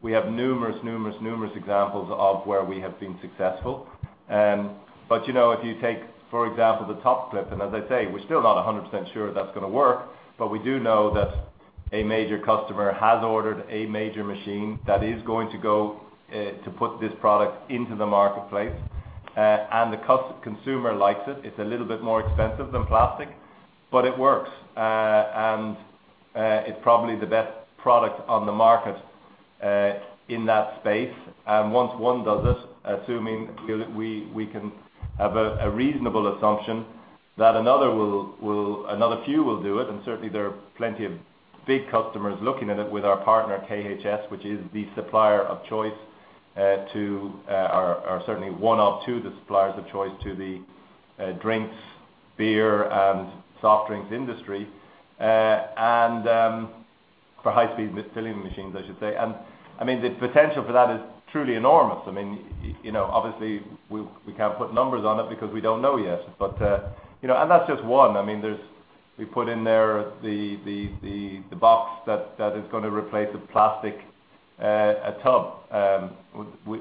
We have numerous, numerous, numerous examples of where we have been successful. But if you take, for example, the TopClip, and as I say, we're still not 100% sure that's going to work, but we do know that a major customer has ordered a major machine that is going to go to put this product into the marketplace, and the consumer likes it. It's a little bit more expensive than plastic, but it works, and it's probably the best product on the market in that space. And once one does it, assuming we can have a reasonable assumption that another few will do it, and certainly, there are plenty of big customers looking at it with our partner, KHS, which is the supplier of choice to or certainly one of two suppliers of choice to the drinks, beer, and soft drinks industry, and for high-speed filling machines, I should say. And I mean, the potential for that is truly enormous. I mean, obviously, we can't put numbers on it because we don't know yet. And that's just one. I mean, we put in there the box that is going to replace a plastic tub.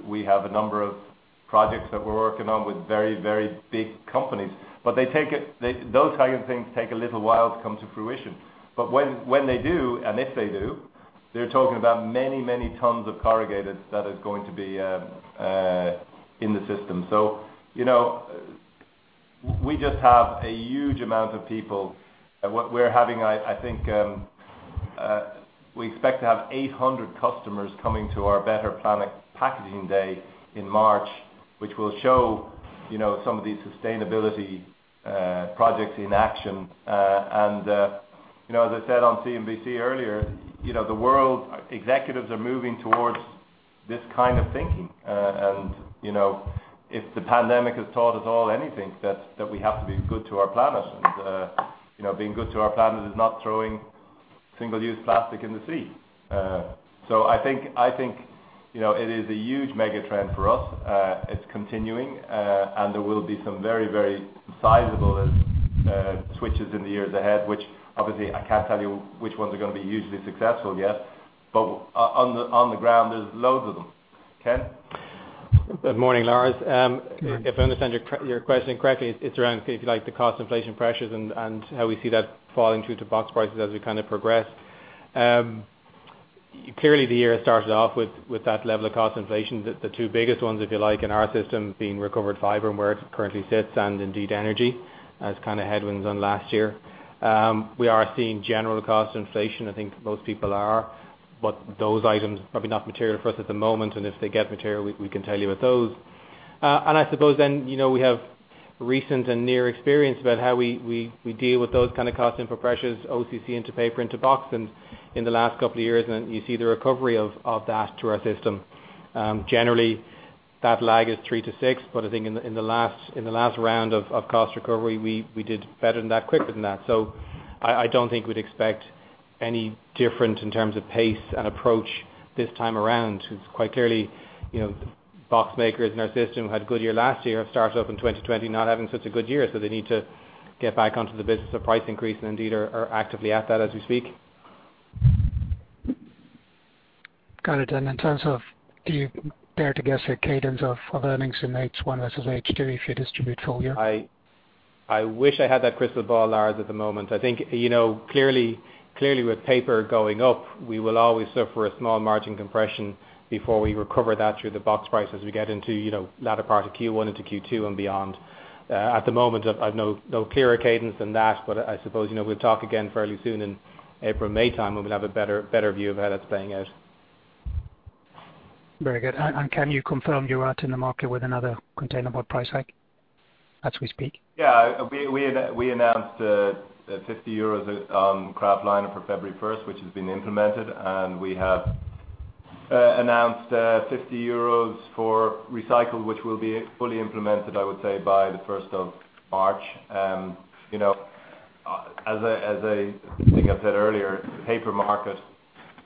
We have a number of projects that we're working on with very, very big companies, but those kinds of things take a little while to come to fruition. But when they do, and if they do, they're talking about many, many tons of corrugated that is going to be in the system. So we just have a huge amount of people. We're having, I think we expect to have 800 customers coming to our Better Planet Packaging Day in March, which will show some of these sustainability projects in action. And as I said on CNBC earlier, the world executives are moving towards this kind of thinking. And if the pandemic has taught us all anything, that we have to be good to our planet, and being good to our planet is not throwing single-use plastic in the sea. So I think it is a huge mega trend for us. It's continuing, and there will be some very, very sizable switches in the years ahead, which obviously, I can't tell you which ones are going to be hugely successful yet, but on the ground, there's loads of them. Ken? Good morning, Lars. If I understand your question correctly, it's around, if you like, the cost inflation pressures and how we see that falling through to box prices as we kind of progress. Clearly, the year has started off with that level of cost inflation. The two biggest ones, if you like, in our system being recovered fiber and where it currently sits, and indeed energy, as kind of headwinds on last year. We are seeing general cost inflation. I think most people are, but those items are probably not material for us at the moment, and if they get material, we can tell you with those. And I suppose then we have recent and near experience about how we deal with those kinds of cost inflation pressures, OCC into paper into box, and in the last couple of years, and you see the recovery of that to our system. Generally, that lag is 3-6, but I think in the last round of cost recovery, we did better than that, quicker than that. So I don't think we'd expect any different in terms of pace and approach this time around. It's quite clearly box makers in our system had a good year last year, have started off in 2020 not having such a good year, so they need to get back onto the business of price increase and indeed are actively at that as we speak. Got it. In terms of, do you dare to guess a cadence of earnings in H1 versus H2 if you distribute full year? I wish I had that crystal ball, Lars, at the moment. I think clearly with paper going up, we will always suffer a small margin compression before we recover that through the box price as we get into latter part of Q1 into Q2 and beyond. At the moment, I have no clearer cadence than that, but I suppose we'll talk again fairly soon in April, May time when we'll have a better view of how that's playing out. Very good. Can you confirm you're out in the market with another containerboard price hike as we speak? Yeah. We announced €50 on Kraftliner for February 1st, which has been implemented, and we have announced €50 for recycled, which will be fully implemented, I would say, by the 1st of March. As I think I said earlier, the paper market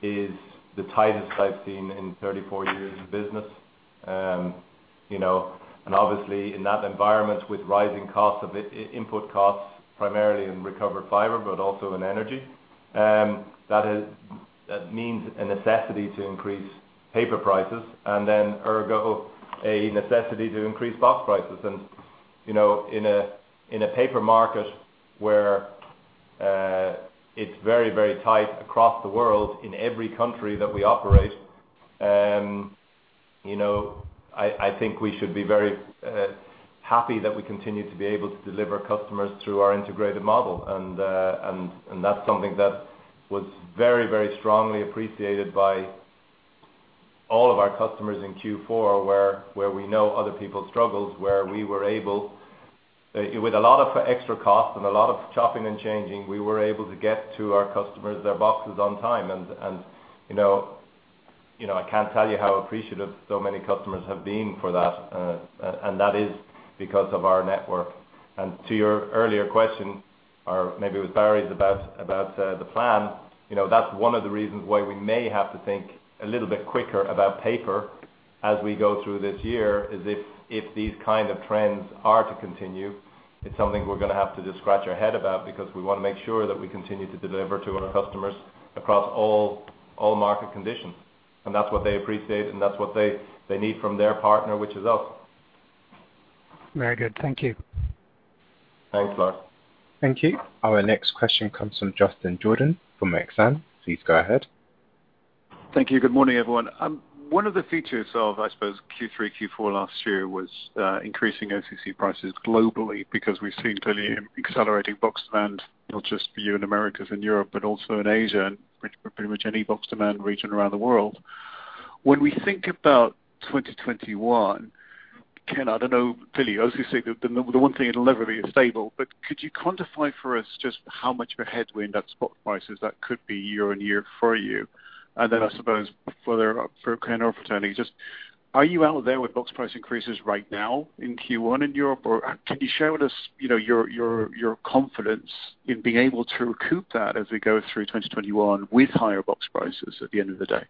is the tightest I've seen in 34 years of business. And obviously, in that environment with rising costs of input costs, primarily in recovered fiber, but also in energy, that means a necessity to increase paper prices and then ergo a necessity to increase box prices. And in a paper market where it's very, very tight across the world in every country that we operate, I think we should be very happy that we continue to be able to deliver customers through our integrated model. That's something that was very, very strongly appreciated by all of our customers in Q4, where we know other people's struggles, where we were able, with a lot of extra costs and a lot of chopping and changing, to get to our customers their boxes on time. I can't tell you how appreciative so many customers have been for that, and that is because of our network. To your earlier question, or maybe it was Barry's about the plan, that's one of the reasons why we may have to think a little bit quicker about paper as we go through this year if these kinds of trends are to continue. It's something we're going to have to just scratch our head about because we want to make sure that we continue to deliver to our customers across all market conditions. That's what they appreciate, and that's what they need from their partner, which is us. Very good. Thank you. Thanks, Lars. Thank you. Our next question comes from Justin Jordan from Exane. Please go ahead. Thank you. Good morning, everyone. One of the features of, I suppose, Q3, Q4 last year was increasing OCC prices globally because we've seen clearly an accelerating box demand, not just for you in the Americas and Europe, but also in Asia and pretty much any box demand region around the world. When we think about 2021, Ken, I don't know, clearly, OCC, the one thing it'll never be stable, but could you quantify for us just how much of a headwind that spot prices that could be year on year for you? And then I suppose for Ken or for Tony, just are you out there with box price increases right now in Q1 in Europe, or can you share with us your confidence in being able to recoup that as we go through 2021 with higher box prices at the end of the day?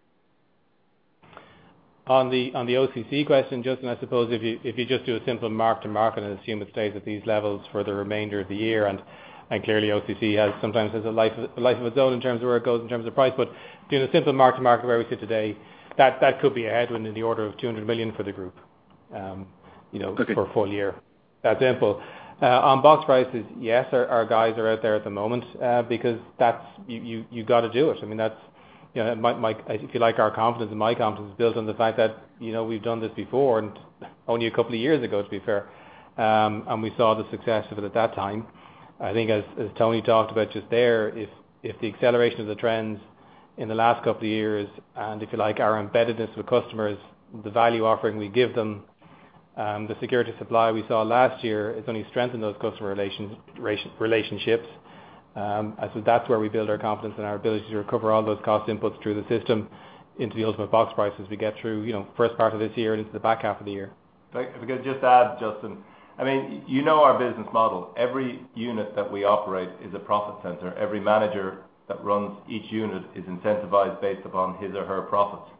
On the OCC question, Justin, I suppose if you just do a simple mark-to-market and assume it stays at these levels for the remainder of the year, and clearly OCC sometimes has a life of its own in terms of where it goes in terms of price, but doing a simple mark-to-market where we sit today, that could be a headwind in the order of 200 million for the group for a full year. That's simple. On box prices, yes, our guys are out there at the moment because you've got to do it. I mean, if you like, our confidence and my confidence is built on the fact that we've done this before and only a couple of years ago, to be fair, and we saw the success of it at that time. I think as Tony talked about just there, if the acceleration of the trends in the last couple of years and, if you like, our embeddedness with customers, the value offering we give them, the security supply we saw last year has only strengthened those customer relationships. I suppose that's where we build our confidence and our ability to recover all those cost inputs through the system into the ultimate box prices we get through first part of this year and into the back half of the year. If I could just add, Justin, I mean, you know our business model. Every unit that we operate is a profit center. Every manager that runs each unit is incentivized based upon his or her profits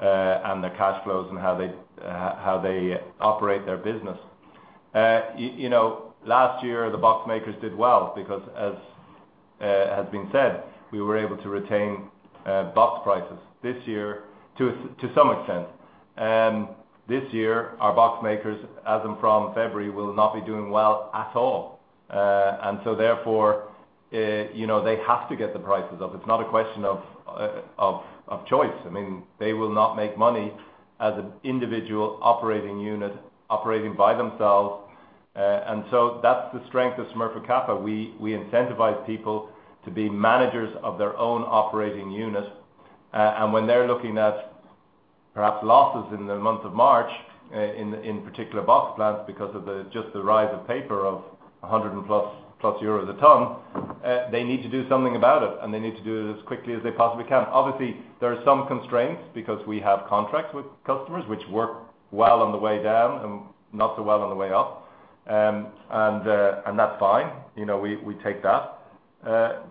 and their cash flows and how they operate their business. Last year, the box makers did well because, as has been said, we were able to retain box prices this year to some extent. This year, our box makers, as of February, will not be doing well at all. And so therefore, they have to get the prices up. It's not a question of choice. I mean, they will not make money as an individual operating unit operating by themselves. And so that's the strength of Smurfit Westrock. We incentivize people to be managers of their own operating units. When they're looking at perhaps losses in the month of March, in particular box plants because of just the rise of paper of 100+ a ton, they need to do something about it, and they need to do it as quickly as they possibly can. Obviously, there are some constraints because we have contracts with customers which work well on the way down and not so well on the way up. And that's fine. We take that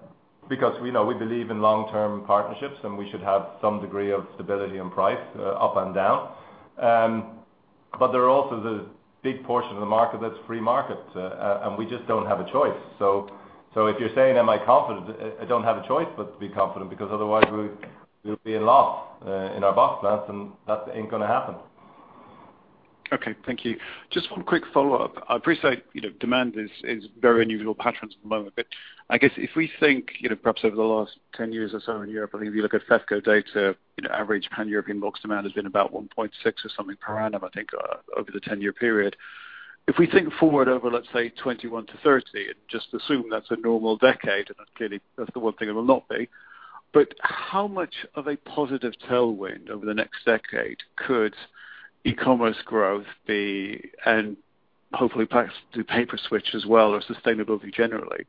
because we believe in long-term partnerships, and we should have some degree of stability in price up and down. But there are also the big portion of the market that's free market, and we just don't have a choice. So if you're saying, "Am I confident?" I don't have a choice, but be confident because otherwise, we'll be in loss in our box plants, and that ain't going to happen. Okay. Thank you. Just one quick follow-up. I appreciate demand is very unusual patterns at the moment, but I guess if we think perhaps over the last 10 years or so in Europe, I think if you look at FEFCO data, average pan-European box demand has been about 1.6 or something per annum, I think, over the 10-year period. If we think forward over, let's say, 2021-2030, and just assume that's a normal decade, and clearly, that's the one thing it will not be, but how much of a positive tailwind over the next decade could e-commerce growth be and hopefully perhaps do paper switch as well or sustainability generally?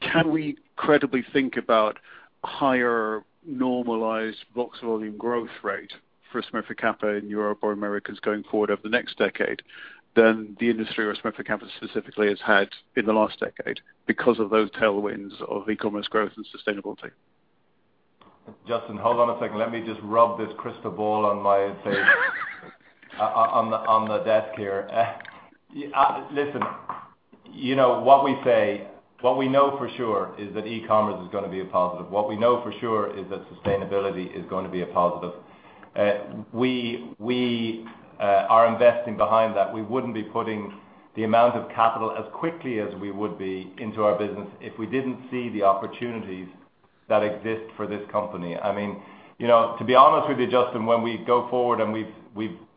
Can we credibly think about higher normalized box volume growth rate for Smurfit Kappa in Europe or Americas going forward over the next decade than the industry or Smurfit Kappa specifically has had in the last decade because of those tailwinds of e-commerce growth and sustainability? Justin, hold on a second. Let me just rub this crystal ball on my face on the desk here. Listen, what we say, what we know for sure is that e-commerce is going to be a positive. What we know for sure is that sustainability is going to be a positive. We are investing behind that. We wouldn't be putting the amount of capital as quickly as we would be into our business if we didn't see the opportunities that exist for this company. I mean, to be honest with you, Justin, when we go forward, and we've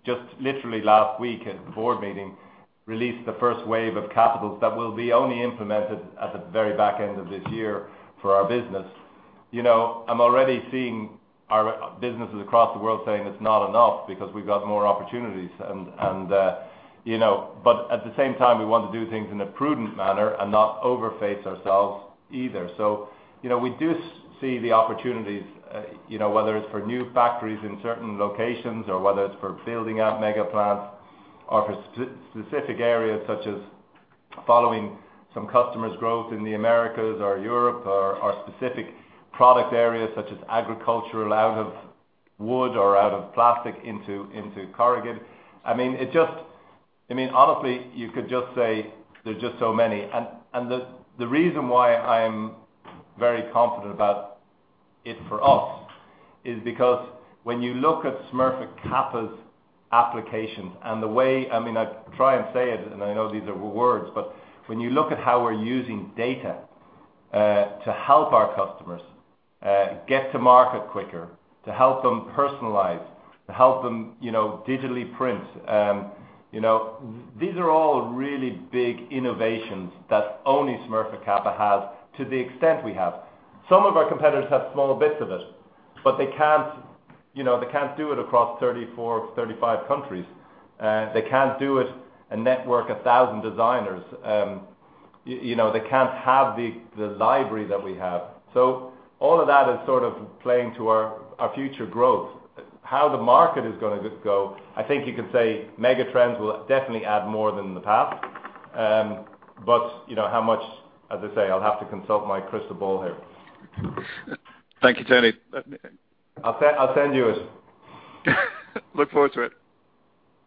just literally last week at the board meeting released the first wave of capitals that will be only implemented at the very back end of this year for our business, I'm already seeing businesses across the world saying it's not enough because we've got more opportunities. But at the same time, we want to do things in a prudent manner and not overface ourselves either. So we do see the opportunities, whether it's for new factories in certain locations or whether it's for building out mega plants or for specific areas such as following some customers' growth in the Americas or Europe or specific product areas such as agricultural out of wood or out of plastic into corrugated. I mean, honestly, you could just say there's just so many. The reason why I'm very confident about it for us is because when you look at Smurfit Kappa's applications and the way I mean, I try and say it, and I know these are words, but when you look at how we're using data to help our customers get to market quicker, to help them personalize, to help them digitally print, these are all really big innovations that only Smurfit Kappa has to the extent we have. Some of our competitors have small bits of it, but they can't do it across 34, 35 countries. They can't do it and network 1,000 designers. They can't have the library that we have. So all of that is sort of playing to our future growth. How the market is going to go, I think you could say mega trends will definitely add more than in the past. But how much, as I say, I'll have to consult my crystal ball here. Thank you, Tony. I'll send you it. Look forward to it.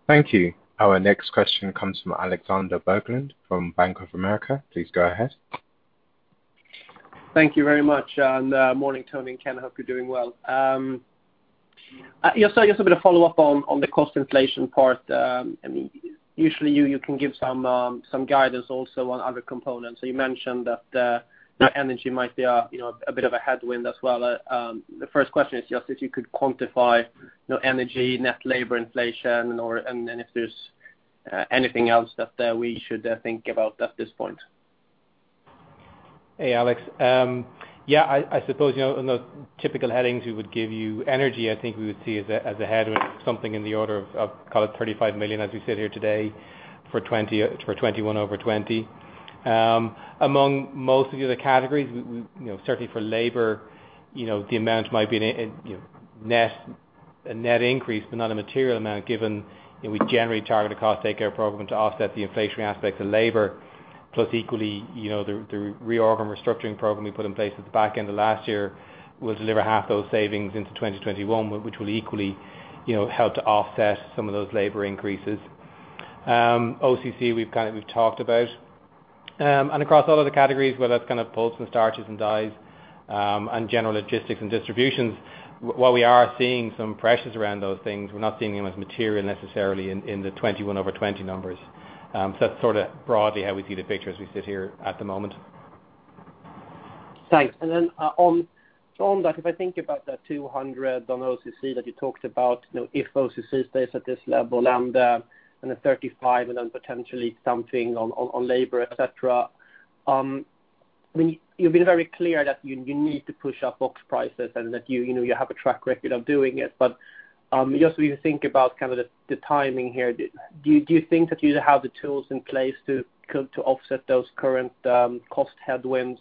Thank you. Our next question comes from Alexander Berglund from Bank of America. Please go ahead. Thank you very much. And morning, Tony and Ken. I hope you're doing well. Just a bit of follow-up on the cost inflation part. I mean, usually, you can give some guidance also on other components. So you mentioned that energy might be a bit of a headwind as well. The first question is just if you could quantify energy, net labor inflation, and if there's anything else that we should think about at this point. Hey, Alex. Yeah, I suppose typical headings we would give you energy. I think we would see as a headwind something in the order of, call it, 35 million as we sit here today for 2021 over 2020. Among most of the other categories, certainly for labor, the amount might be a net increase, but not a material amount given we generally target a cost take- program to offset the inflationary aspects of labor, plus equally the reorganization and restructuring program we put in place at the back end of last year will deliver half those savings into 2021, which will equally help to offset some of those labor increases. OCC we've talked about. Across all of the categories, whether it's kind of pulps and starches and dyes and general logistics and distributions, while we are seeing some pressures around those things, we're not seeing them as material necessarily in the 2021 over 2020 numbers. That's sort of broadly how we see the picture as we sit here at the moment. Thanks. Then on that, if I think about that 200 on OCC that you talked about, if OCC stays at this level and then 35 and then potentially something on labor, etc., I mean, you've been very clear that you need to push up box prices and that you have a track record of doing it. But just when you think about kind of the timing here, do you think that you have the tools in place to offset those current cost headwinds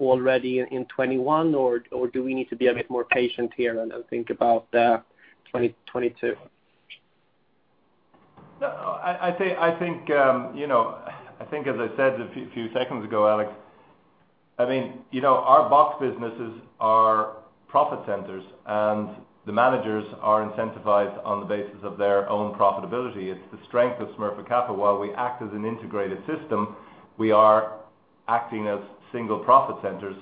already in 2021, or do we need to be a bit more patient here and think about 2022? I think, as I said a few seconds ago, Alex, I mean, our box businesses are profit centers, and the managers are incentivized on the basis of their own profitability. It's the strength of Smurfit Kappa. While we act as an integrated system, we are acting as single profit centers.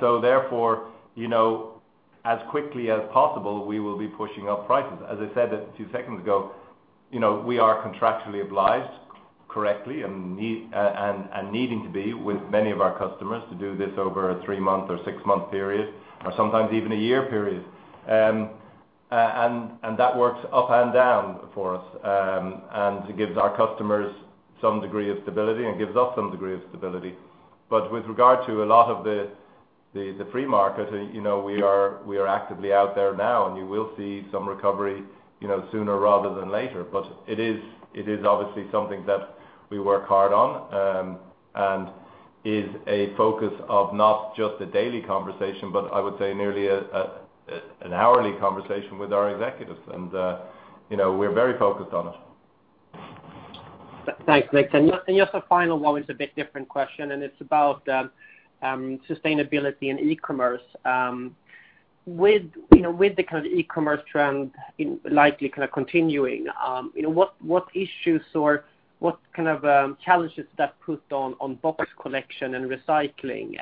So therefore, as quickly as possible, we will be pushing up prices. As I said a few seconds ago, we are contractually obliged correctly and needing to be with many of our customers to do this over a 3-month or 6-month period or sometimes even a year period. And that works up and down for us, and it gives our customers some degree of stability and gives us some degree of stability. But with regard to a lot of the free market, we are actively out there now, and you will see some recovery sooner rather than later. It is obviously something that we work hard on and is a focus of not just a daily conversation, but I would say nearly an hourly conversation with our executives. We're very focused on it. Thanks, Ken. And just a final, while it's a bit different, question, and it's about sustainability and e-commerce. With the kind of e-commerce trend likely kind of continuing, what issues or what kind of challenges does that put on box collection and recycling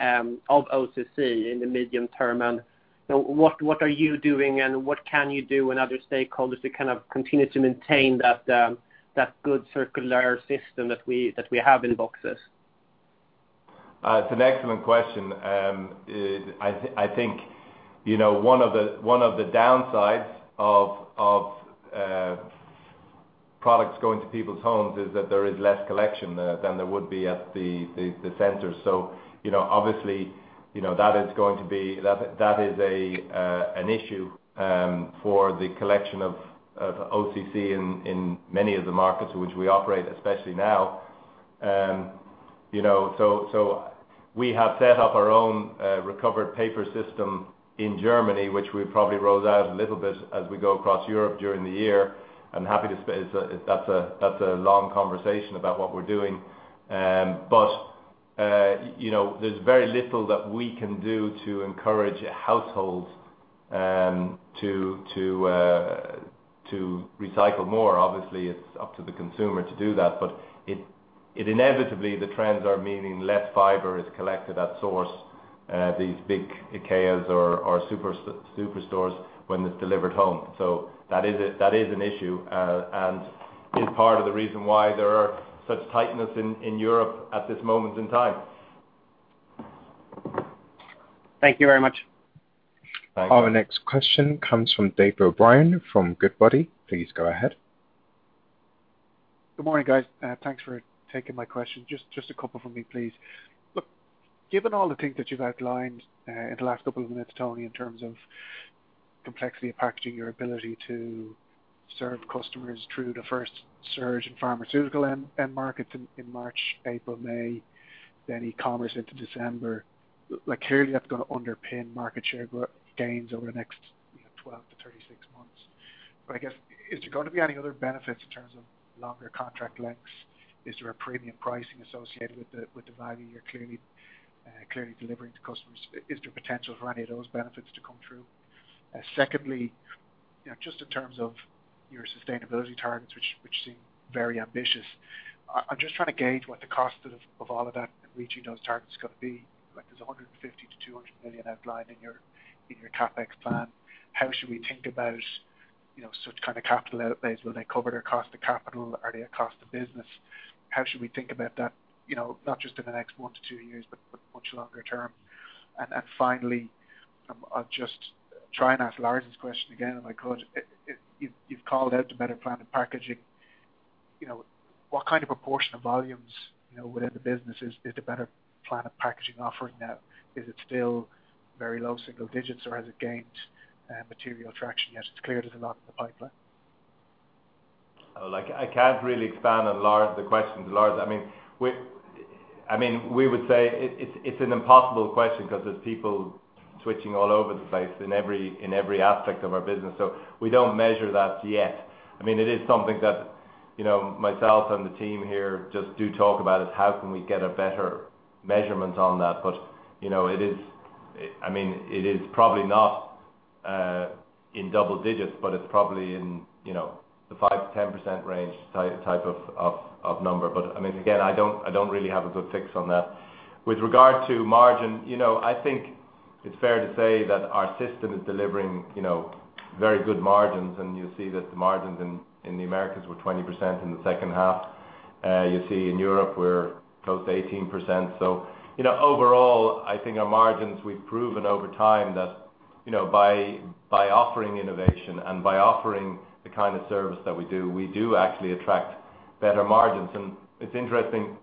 of OCC in the medium term? And what are you doing, and what can you do and other stakeholders to kind of continue to maintain that good circular system that we have in boxes? It's an excellent question. I think one of the downsides of products going to people's homes is that there is less collection than there would be at the centers. So obviously, that is going to be that is an issue for the collection of OCC in many of the markets in which we operate, especially now. So we have set up our own recovered paper system in Germany, which we probably roll out a little bit as we go across Europe during the year. I'm happy to spend that's a long conversation about what we're doing. But there's very little that we can do to encourage households to recycle more. Obviously, it's up to the consumer to do that. But inevitably, the trends are meaning less fiber is collected at source, these big IKEAs or superstores when it's delivered home. That is an issue and is part of the reason why there are such tightness in Europe at this moment in time. Thank you very much. Thank you. Our next question comes from David O'Brien from Goodbody. Please go ahead. Good morning, guys. Thanks for taking my question. Just a couple for me, please. Look, given all the things that you've outlined in the last couple of minutes, Tony, in terms of complexity of packaging, your ability to serve customers through the first surge in pharmaceutical end markets in March, April, May, then e-commerce into December, clearly that's going to underpin market share gains over the next 12-36 months. But I guess, is there going to be any other benefits in terms of longer contract lengths? Is there a premium pricing associated with the value you're clearly delivering to customers? Is there potential for any of those benefits to come through? Secondly, just in terms of your sustainability targets, which seem very ambitious, I'm just trying to gauge what the cost of all of that and reaching those targets is going to be. There's a 150 million-200 million outline in your CapEx plan. How should we think about such kind of capital outlays? Will they cover their cost of capital? Are they a cost of business? How should we think about that, not just in the next 1-2 years, but much longer term? And finally, I'll just try and ask Lars's question again if I could. You've called out the Better Planet Packaging. What kind of proportion of volumes within the business is the Better Planet Packaging offering now? Is it still very low single digits, or has it gained material traction yet? It's clear there's a lot in the pipeline. I can't really expand on the question to Lars. I mean, we would say it's an impossible question because there's people switching all over the place in every aspect of our business. So we don't measure that yet. I mean, it is something that myself and the team here just do talk about is how can we get a better measurement on that? But I mean, it is probably not in double digits, but it's probably in the 5%-10% range type of number. But I mean, again, I don't really have a good fix on that. With regard to margin, I think it's fair to say that our system is delivering very good margins. And you see that the margins in the Americas were 20% in the second half. You see in Europe, we're close to 18%. So overall, I think our margins, we've proven over time that by offering innovation and by offering the kind of service that we do, we do actually attract better margins. And it's interesting.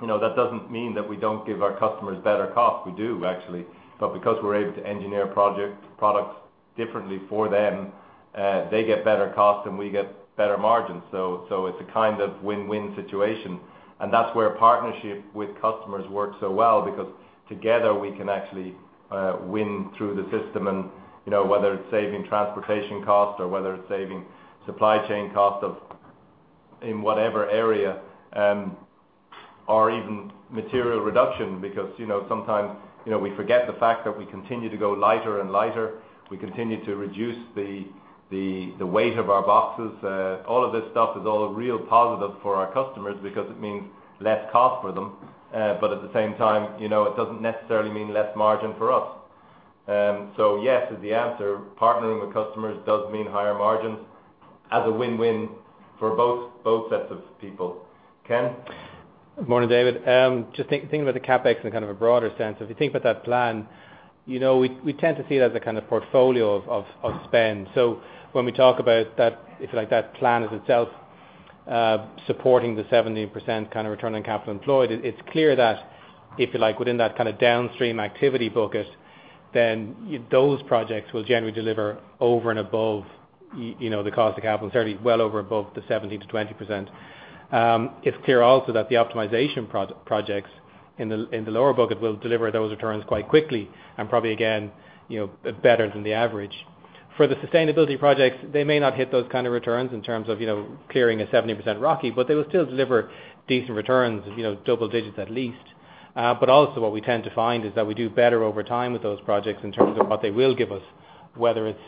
That doesn't mean that we don't give our customers better costs. We do, actually. But because we're able to engineer products differently for them, they get better costs and we get better margins. So it's a kind of win-win situation. And that's where partnership with customers works so well because together we can actually win through the system. And whether it's saving transportation costs or whether it's saving supply chain costs in whatever area or even material reduction, because sometimes we forget the fact that we continue to go lighter and lighter. We continue to reduce the weight of our boxes. All of this stuff is all real positive for our customers because it means less cost for them. But at the same time, it doesn't necessarily mean less margin for us. So yes, the answer, partnering with customers does mean higher margins as a win-win for both sets of people. Ken? Good morning, David. Just thinking about the CapEx in kind of a broader sense, if you think about that plan, we tend to see it as a kind of portfolio of spend. So when we talk about that, if you like, that plan as itself supporting the 17% kind of return on capital employed, it's clear that if you like, within that kind of downstream activity bucket, then those projects will generally deliver over and above the cost of capital, certainly well over above the 17%-20%. It's clear also that the optimization projects in the lower bucket will deliver those returns quite quickly and probably, again, better than the average. For the sustainability projects, they may not hit those kind of returns in terms of clearing a 17% ROCE, but they will still deliver decent returns, double digits at least. But also what we tend to find is that we do better over time with those projects in terms of what they will give us, whether it's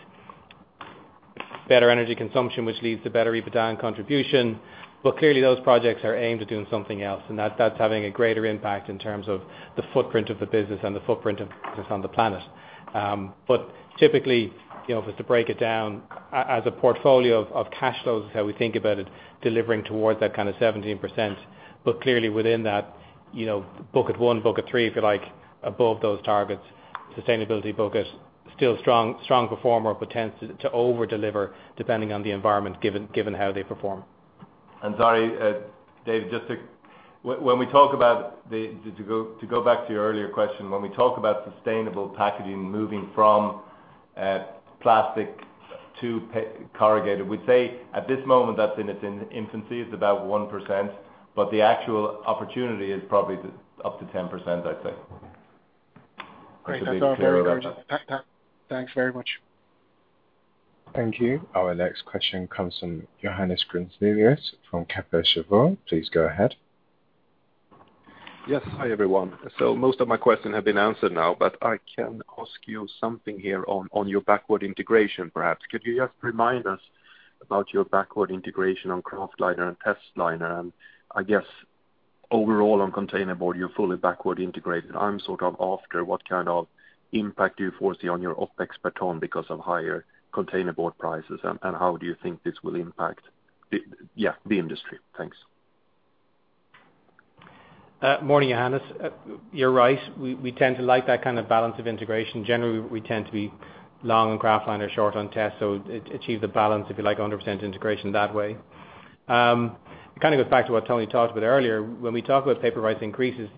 better energy consumption, which leads to better EBITDA and contribution. But clearly, those projects are aimed at doing something else, and that's having a greater impact in terms of the footprint of the business and the footprint of the business on the planet. But typically, if it's to break it down as a portfolio of cash flows, is how we think about it, delivering towards that kind of 17%. But clearly, within that bucket one, bucket three, if you like, above those targets, sustainability bucket, still strong performer, but tends to overdeliver depending on the environment given how they perform. And sorry, David, just to go back to your earlier question, when we talk about sustainable packaging moving from plastic to corrugated, we'd say at this moment, that's in its infancy. It's about 1%, but the actual opportunity is probably up to 10%, I'd say. Thanks for being clear on that. Thanks very much. Thank you. Our next question comes from Johannes Grimelius from Kepler Cheuvreux. Please go ahead. Yes. Hi, everyone. So most of my questions have been answered now, but I can ask you something here on your backward integration, perhaps. Could you just remind us about your backward integration on Kraftliner and Testliner? And I guess overall on containerboard, you're fully backward integrated. I'm sort of after what kind of impact do you foresee on your OpEx per ton because of higher containerboard prices, and how do you think this will impact, yeah, the industry? Thanks. Morning, Johannes. You're right. We tend to like that kind of balance of integration. Generally, we tend to be long on Kraftliner, short on Testliner, so achieve the balance, if you like, 100% integration that way. It kind of goes back to what Tony talked about earlier. When we talk about paper price increases,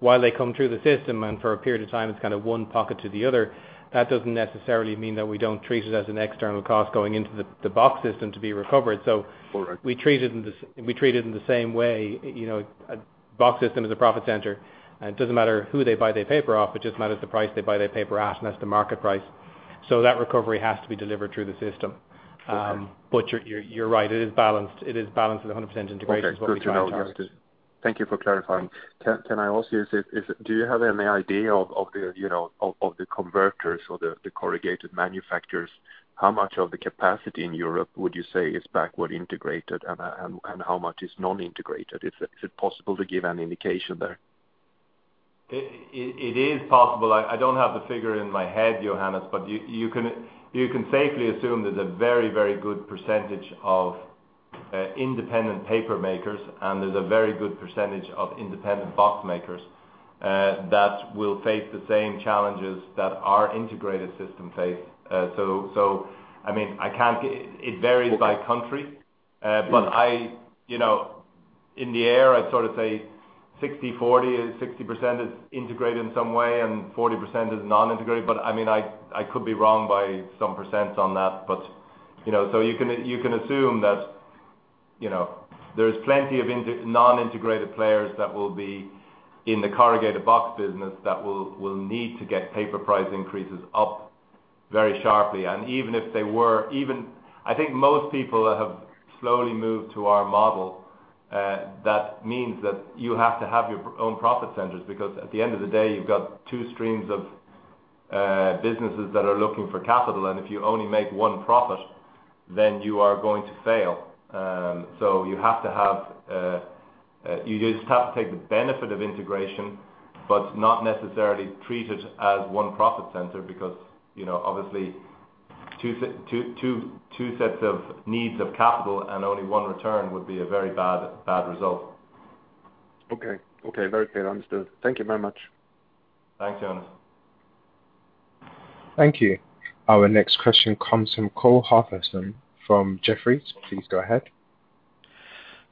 while they come through the system and for a period of time, it's kind of one pocket to the other, that doesn't necessarily mean that we don't treat it as an external cost going into the box system to be recovered. So we treat it in the same way. Box system is a profit center. It doesn't matter who they buy their paper off. It just matters the price they buy their paper at, and that's the market price. So that recovery has to be delivered through the system. But you're right. It is balanced. It is balanced at 100% integration, is what we try to target. Thank you for clarifying. Can I ask you, do you have any idea of the converters or the corrugated manufacturers? How much of the capacity in Europe would you say is backward integrated, and how much is non-integrated? Is it possible to give an indication there? It is possible. I don't have the figure in my head, Johannes, but you can safely assume there's a very, very good percentage of independent paper makers, and there's a very good percentage of independent box makers that will face the same challenges that our integrated system faced. So I mean, it varies by country, but in the air, I'd sort of say 60/40. 60% is integrated in some way, and 40% is non-integrated. But I mean, I could be wrong by some percents on that. But so you can assume that there's plenty of non-integrated players that will be in the corrugated box business that will need to get paper price increases up very sharply. And even if they were, I think most people have slowly moved to our model. That means that you have to have your own profit centers because at the end of the day, you've got two streams of businesses that are looking for capital. And if you only make one profit, then you are going to fail. So you just have to take the benefit of integration, but not necessarily treat it as one profit center because obviously, two sets of needs of capital and only one return would be a very bad result. Okay. Okay. Very clear. Understood. Thank you very much. Thanks, Johannes. Thank you. Our next question comes from Cole Hathorn from Jefferies. Please go ahead.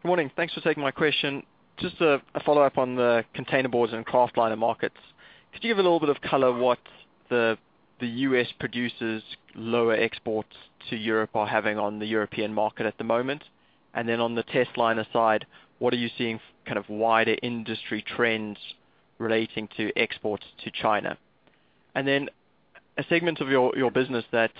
Good morning. Thanks for taking my question. Just a follow-up on the container boards and Kraftliner markets. Could you give a little bit of color what the U.S. producers' lower exports to Europe are having on the European market at the moment? And then on the Testliner side, what are you seeing kind of wider industry trends relating to exports to China? And then a segment of your business that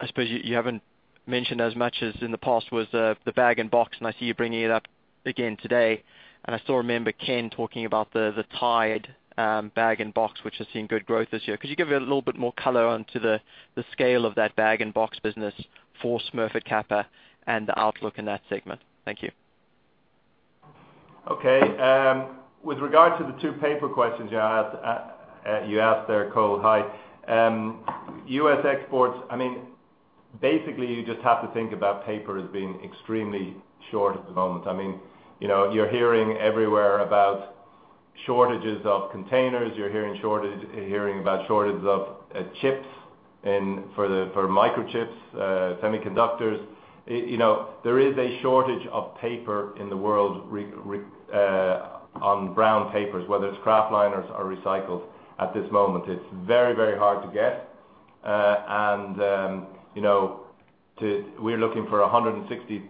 I suppose you haven't mentioned as much as in the past was the Bag-in-Box, and I see you bringing it up again today. And I still remember Ken talking about the Tide Bag-in-Box, which has seen good growth this year. Could you give a little bit more color onto the scale of that Bag-in-Box business for Smurfit Kappa and the outlook in that segment? Thank you. Okay. With regard to the two paper questions you asked there, Cole, hi, U.S. exports, I mean, basically, you just have to think about paper as being extremely short at the moment. I mean, you're hearing everywhere about shortages of containers. You're hearing about shortages of chips for microchips, semiconductors. There is a shortage of paper in the world on brown papers, whether it's Kraftliners or recycled at this moment. It's very, very hard to get. And we're looking for 160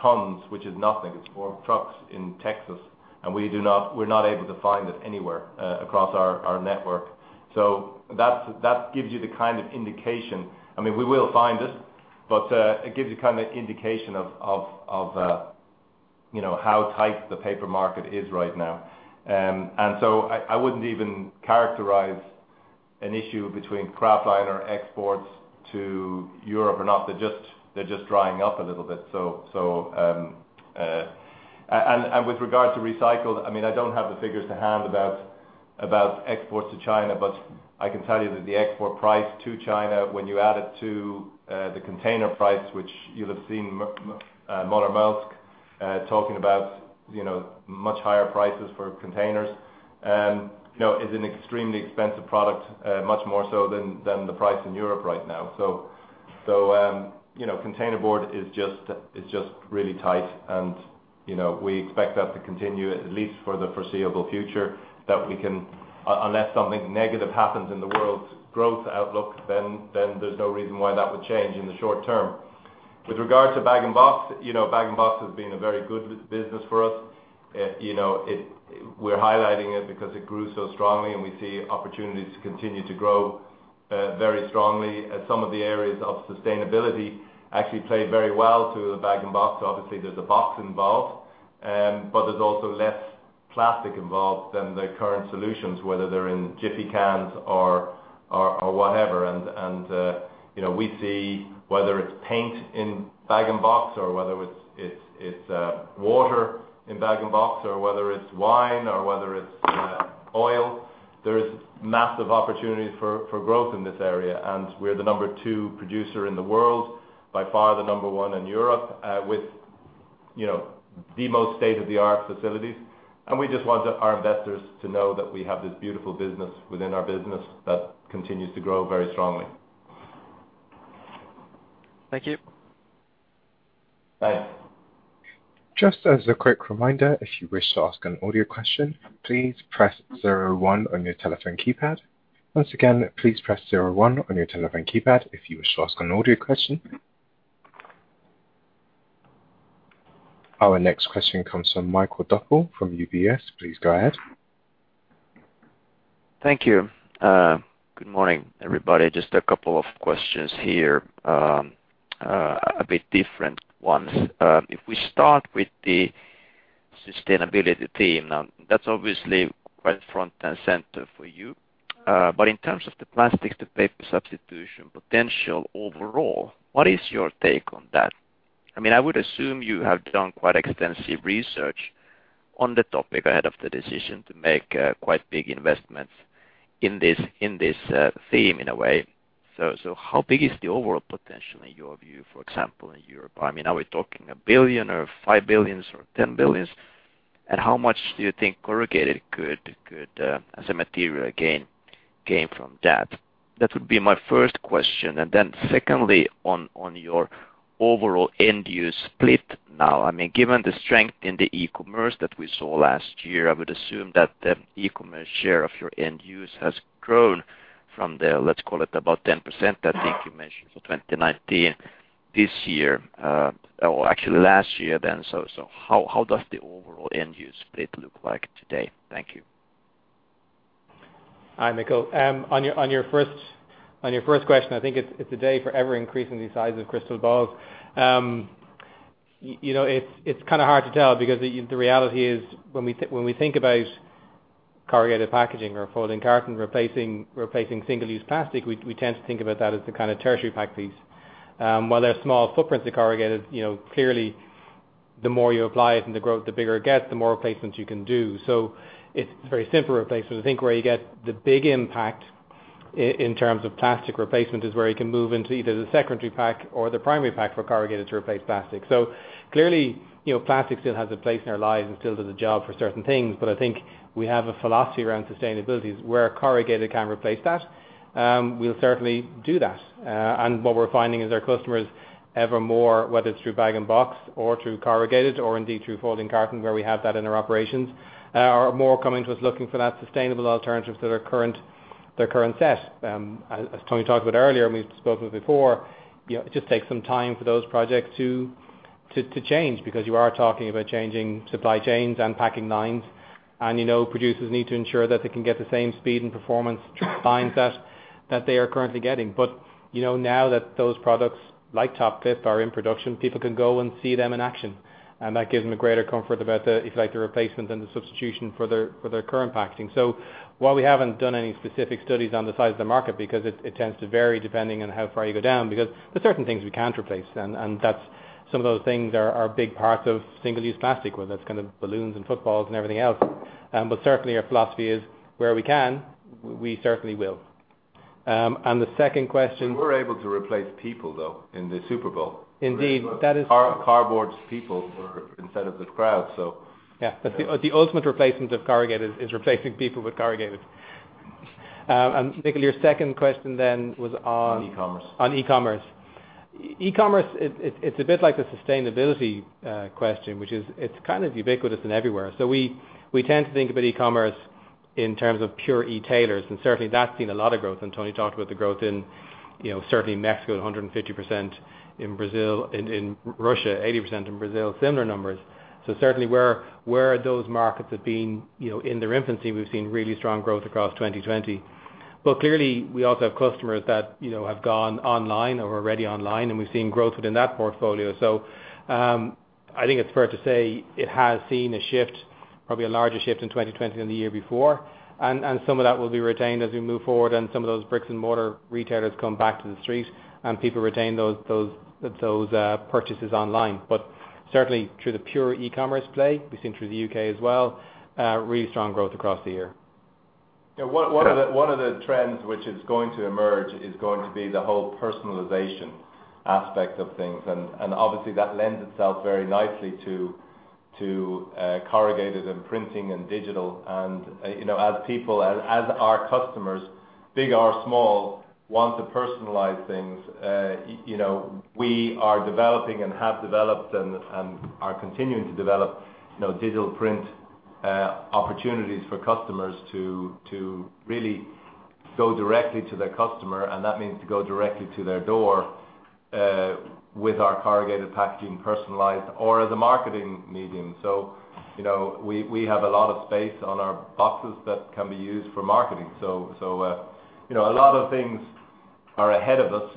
tons, which is nothing. It's four trucks in Texas, and we're not able to find it anywhere across our network. So that gives you the kind of indication. I mean, we will find this, but it gives you kind of an indication of how tight the paper market is right now. And so I wouldn't even characterize an issue between Kraftliner exports to Europe or not. They're just drying up a little bit. With regard to recycled, I mean, I don't have the figures to hand about exports to China, but I can tell you that the export price to China, when you add it to the container price, which you'll have seen Møller-Maersk talking about much higher prices for containers, is an extremely expensive product, much more so than the price in Europe right now. So containerboard is just really tight, and we expect that to continue at least for the foreseeable future, that we can, unless something negative happens in the world's growth outlook, then there's no reason why that would change in the short term. With regard to Bag-in-Box, Bag-in-Box has been a very good business for us. We're highlighting it because it grew so strongly, and we see opportunities to continue to grow very strongly. Some of the areas of sustainability actually play very well to the Bag-in-Box. Obviously, there's a box involved, but there's also less plastic involved than the current solutions, whether they're in Jerry cans or whatever. We see whether it's paint in Bag-in-Box, or whether it's water in Bag-in-Box, or whether it's wine, or whether it's oil, there's massive opportunities for growth in this area. We're the number two producer in the world, by far the number one in Europe, with the most state-of-the-art facilities. We just want our investors to know that we have this beautiful business within our business that continues to grow very strongly. Thank you. Thanks. Just as a quick reminder, if you wish to ask an audio question, please press zero one on your telephone keypad. Once again, please press zero one on your telephone keypad if you wish to ask an audio question. Our next question comes from Mikael Doepel from UBS. Please go ahead. Thank you. Good morning, everybody. Just a couple of questions here, a bit different ones. If we start with the sustainability team, that's obviously quite front and center for you. But in terms of the plastics to paper substitution potential overall, what is your take on that? I mean, I would assume you have done quite extensive research on the topic ahead of the decision to make quite big investments in this theme in a way. So how big is the overall potential in your view, for example, in Europe? I mean, are we talking 1 billion or 5 billion or 10 billion? And how much do you think corrugated could, as a material, gain from that? That would be my first question. Then secondly, on your overall end-use split now, I mean, given the strength in the e-commerce that we saw last year, I would assume that the e-commerce share of your end-use has grown from the, let's call it, about 10% that I think you mentioned for 2019 this year, or actually last year then. How does the overall end-use split look like today? Thank you. Hi, Mikkel. On your first question, I think it's a day for ever-increasing the size of crystal balls. It's kind of hard to tell because the reality is when we think about corrugated packaging or folding carton replacing single-use plastic, we tend to think about that as the kind of tertiary pack piece. While there are small footprints of corrugated, clearly, the more you apply it and the growth the bigger it gets, the more replacements you can do. So it's very simple replacement. I think where you get the big impact in terms of plastic replacement is where you can move into either the secondary pack or the primary pack for corrugated to replace plastic. So clearly, plastic still has a place in our lives and still does a job for certain things. But I think we have a philosophy around sustainability where corrugated can replace that. We'll certainly do that. And what we're finding is our customers ever more, whether it's through Bag-in-Box or through corrugated or indeed through folding carton, where we have that in our operations, are more coming to us looking for that sustainable alternative to their current set. As Tony talked about earlier, and we've spoken before, it just takes some time for those projects to change because you are talking about changing supply chains and packing lines. And producers need to ensure that they can get the same speed and performance line set that they are currently getting. But now that those products like TopClip are in production, people can go and see them in action. And that gives them a greater comfort about the, if you like, the replacement and the substitution for their current packaging. So while we haven't done any specific studies on the size of the market because it tends to vary depending on how far you go down, because there are certain things we can't replace. And some of those things are big parts of single-use plastic, whether that's kind of balloons and footballs and everything else. But certainly, our philosophy is where we can, we certainly will. And the second question. We're able to replace people, though, in the Super Bowl. Indeed. That is. Cardboard people instead of the crowd, so. Yeah. The ultimate replacement of corrugated is replacing people with corrugated. Mikael, your second question then was on. On e-commerce. On e-commerce. E-commerce, it's a bit like the sustainability question, which is it's kind of ubiquitous and everywhere. So we tend to think about e-commerce in terms of pure e-tailors. And certainly, that's seen a lot of growth. And Tony talked about the growth in certainly Mexico at 150%, in Russia, 80% in Brazil, similar numbers. So certainly, where those markets have been in their infancy, we've seen really strong growth across 2020. But clearly, we also have customers that have gone online or are already online, and we've seen growth within that portfolio. So I think it's fair to say it has seen a shift, probably a larger shift in 2020 than the year before. And some of that will be retained as we move forward, and some of those bricks-and-mortar retailers come back to the street, and people retain those purchases online. Certainly, through the pure e-commerce play, we've seen through the U.K. as well, really strong growth across the year. Yeah. One of the trends which is going to emerge is going to be the whole personalization aspect of things. And obviously, that lends itself very nicely to corrugated and printing and digital. And as people, as our customers, big or small, want to personalize things, we are developing and have developed and are continuing to develop digital print opportunities for customers to really go directly to their customer. And that means to go directly to their door with our corrugated packaging personalized or as a marketing medium. So we have a lot of space on our boxes that can be used for marketing. So a lot of things are ahead of us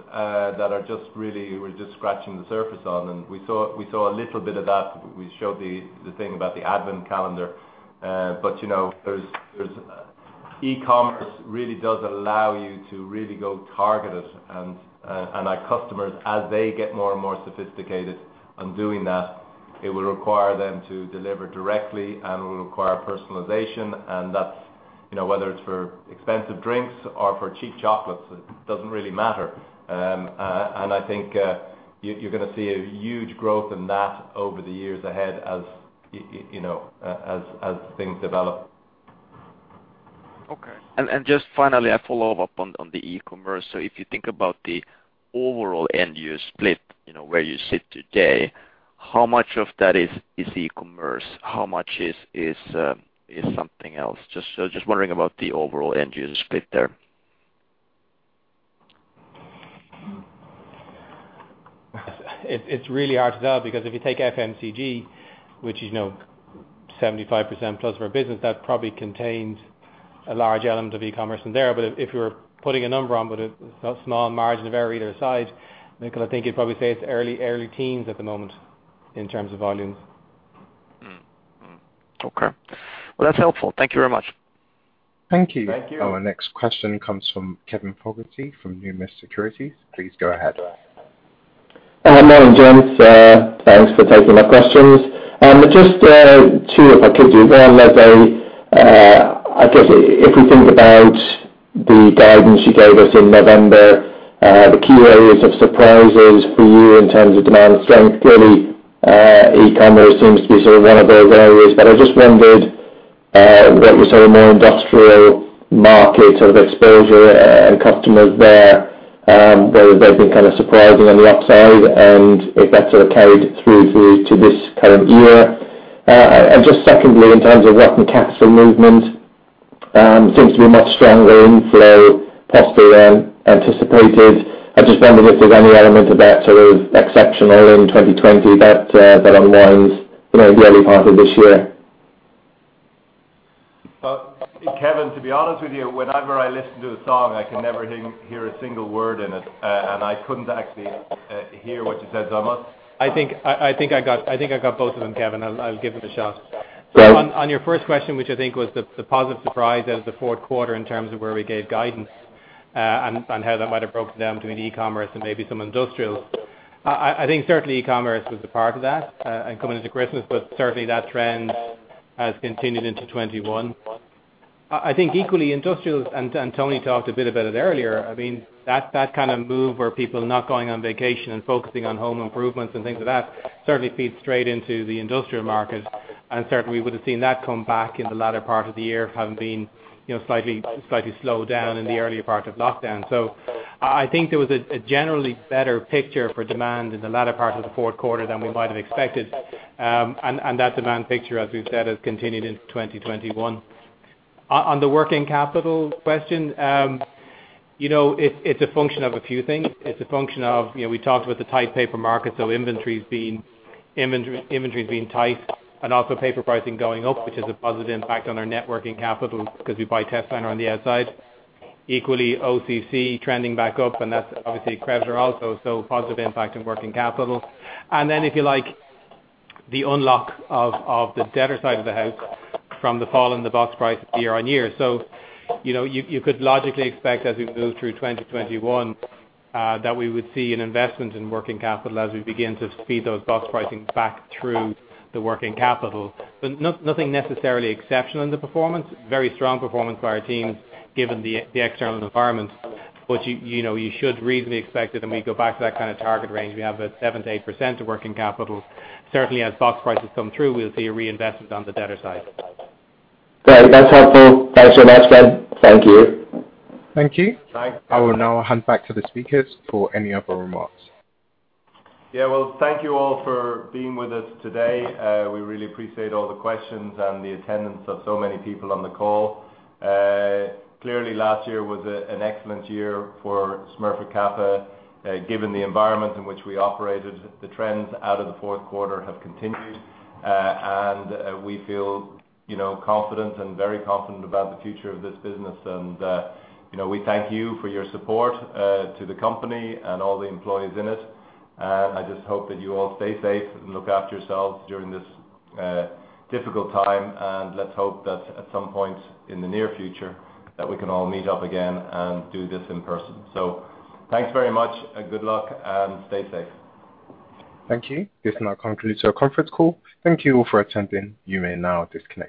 that are just really we're just scratching the surface on. And we saw a little bit of that. We showed the thing about the advent calendar. But e-commerce really does allow you to really go targeted. Our customers, as they get more and more sophisticated in doing that, it will require them to deliver directly, and it will require personalization. That's whether it's for expensive drinks or for cheap chocolates. It doesn't really matter. I think you're going to see a huge growth in that over the years ahead as things develop. Okay. Just finally, I follow up on the e-commerce. So if you think about the overall end-use split where you sit today, how much of that is e-commerce? How much is something else? Just wondering about the overall end-use split there. It's really hard to tell because if you take FMCG, which is 75%+ of our business, that probably contains a large element of e-commerce in there. But if you're putting a number on, it's not small margin of error either side, Mikael, I think you'd probably say it's early teens at the moment in terms of volumes. Okay. Well, that's helpful. Thank you very much. Thank you. Thank you. Our next question comes from Kevin Fogarty from Numis Securities. Please go ahead. Hello, Gents. Thanks for taking my questions. Just two, if I could do. One, I guess if we think about the guidance you gave us in November, the key areas of surprises for you in terms of demand strength, clearly e-commerce seems to be sort of one of those areas. But I just wondered what you're saying more industrial markets of exposure and customers there, whether they've been kind of surprising on the upside and if that's sort of carried through to this current year? And just secondly, in terms of working capital movement, seems to be much stronger inflow possibly than anticipated. I just wondered if there's any element of that sort of exceptional in 2020 that unwinds in the early part of this year? Kevin, to be honest with you, whenever I listen to a song, I can never hear a single word in it. I couldn't actually hear what you said, so I must. I think I got both of them, Kevin. I'll give them a shot. So on your first question, which I think was the positive surprise out of the fourth quarter in terms of where we gave guidance and how that might have broken down between e-commerce and maybe some industrials, I think certainly e-commerce was a part of that and coming into Christmas, but certainly that trend has continued into 2021. I think equally industrials, and Tony talked a bit about it earlier. I mean, that kind of move where people not going on vacation and focusing on home improvements and things like that certainly feeds straight into the industrial market. And certainly, we would have seen that come back in the latter part of the year, having been slightly slowed down in the earlier part of lockdown. So I think there was a generally better picture for demand in the latter part of the fourth quarter than we might have expected. And that demand picture, as we've said, has continued into 2021. On the working capital question, it's a function of a few things. It's a function of we talked about the tight paper market, so inventory's being tight, and also paper pricing going up, which has a positive impact on our net working capital because we buy testliner on the outside. Equally, OCC trending back up, and that's obviously a creditor also, so positive impact on working capital. And then, if you like, the unlock of the debtor side of the house from the fall in the box price year-over-year. So you could logically expect, as we move through 2021, that we would see an investment in working capital as we begin to feed those box pricing back through the working capital. But nothing necessarily exceptional in the performance, very strong performance by our teams given the external environment. But you should reasonably expect it, and we go back to that kind of target range. We have a 7%-8% of working capital. Certainly, as box prices come through, we'll see a reinvestment on the debtor side. Great. That's helpful. Thanks very much, Kevin. Thank you. Thank you. Thanks. I will now hand back to the speakers for any other remarks. Yeah. Well, thank you all for being with us today. We really appreciate all the questions and the attendance of so many people on the call. Clearly, last year was an excellent year for Smurfit Kappa. Given the environment in which we operated, the trends out of the fourth quarter have continued. We feel confident and very confident about the future of this business. We thank you for your support to the company and all the employees in it. I just hope that you all stay safe and look after yourselves during this difficult time. Let's hope that at some point in the near future, that we can all meet up again and do this in person. Thanks very much. Good luck and stay safe. Thank you. This now concludes our conference call. Thank you all for attending. You may now disconnect.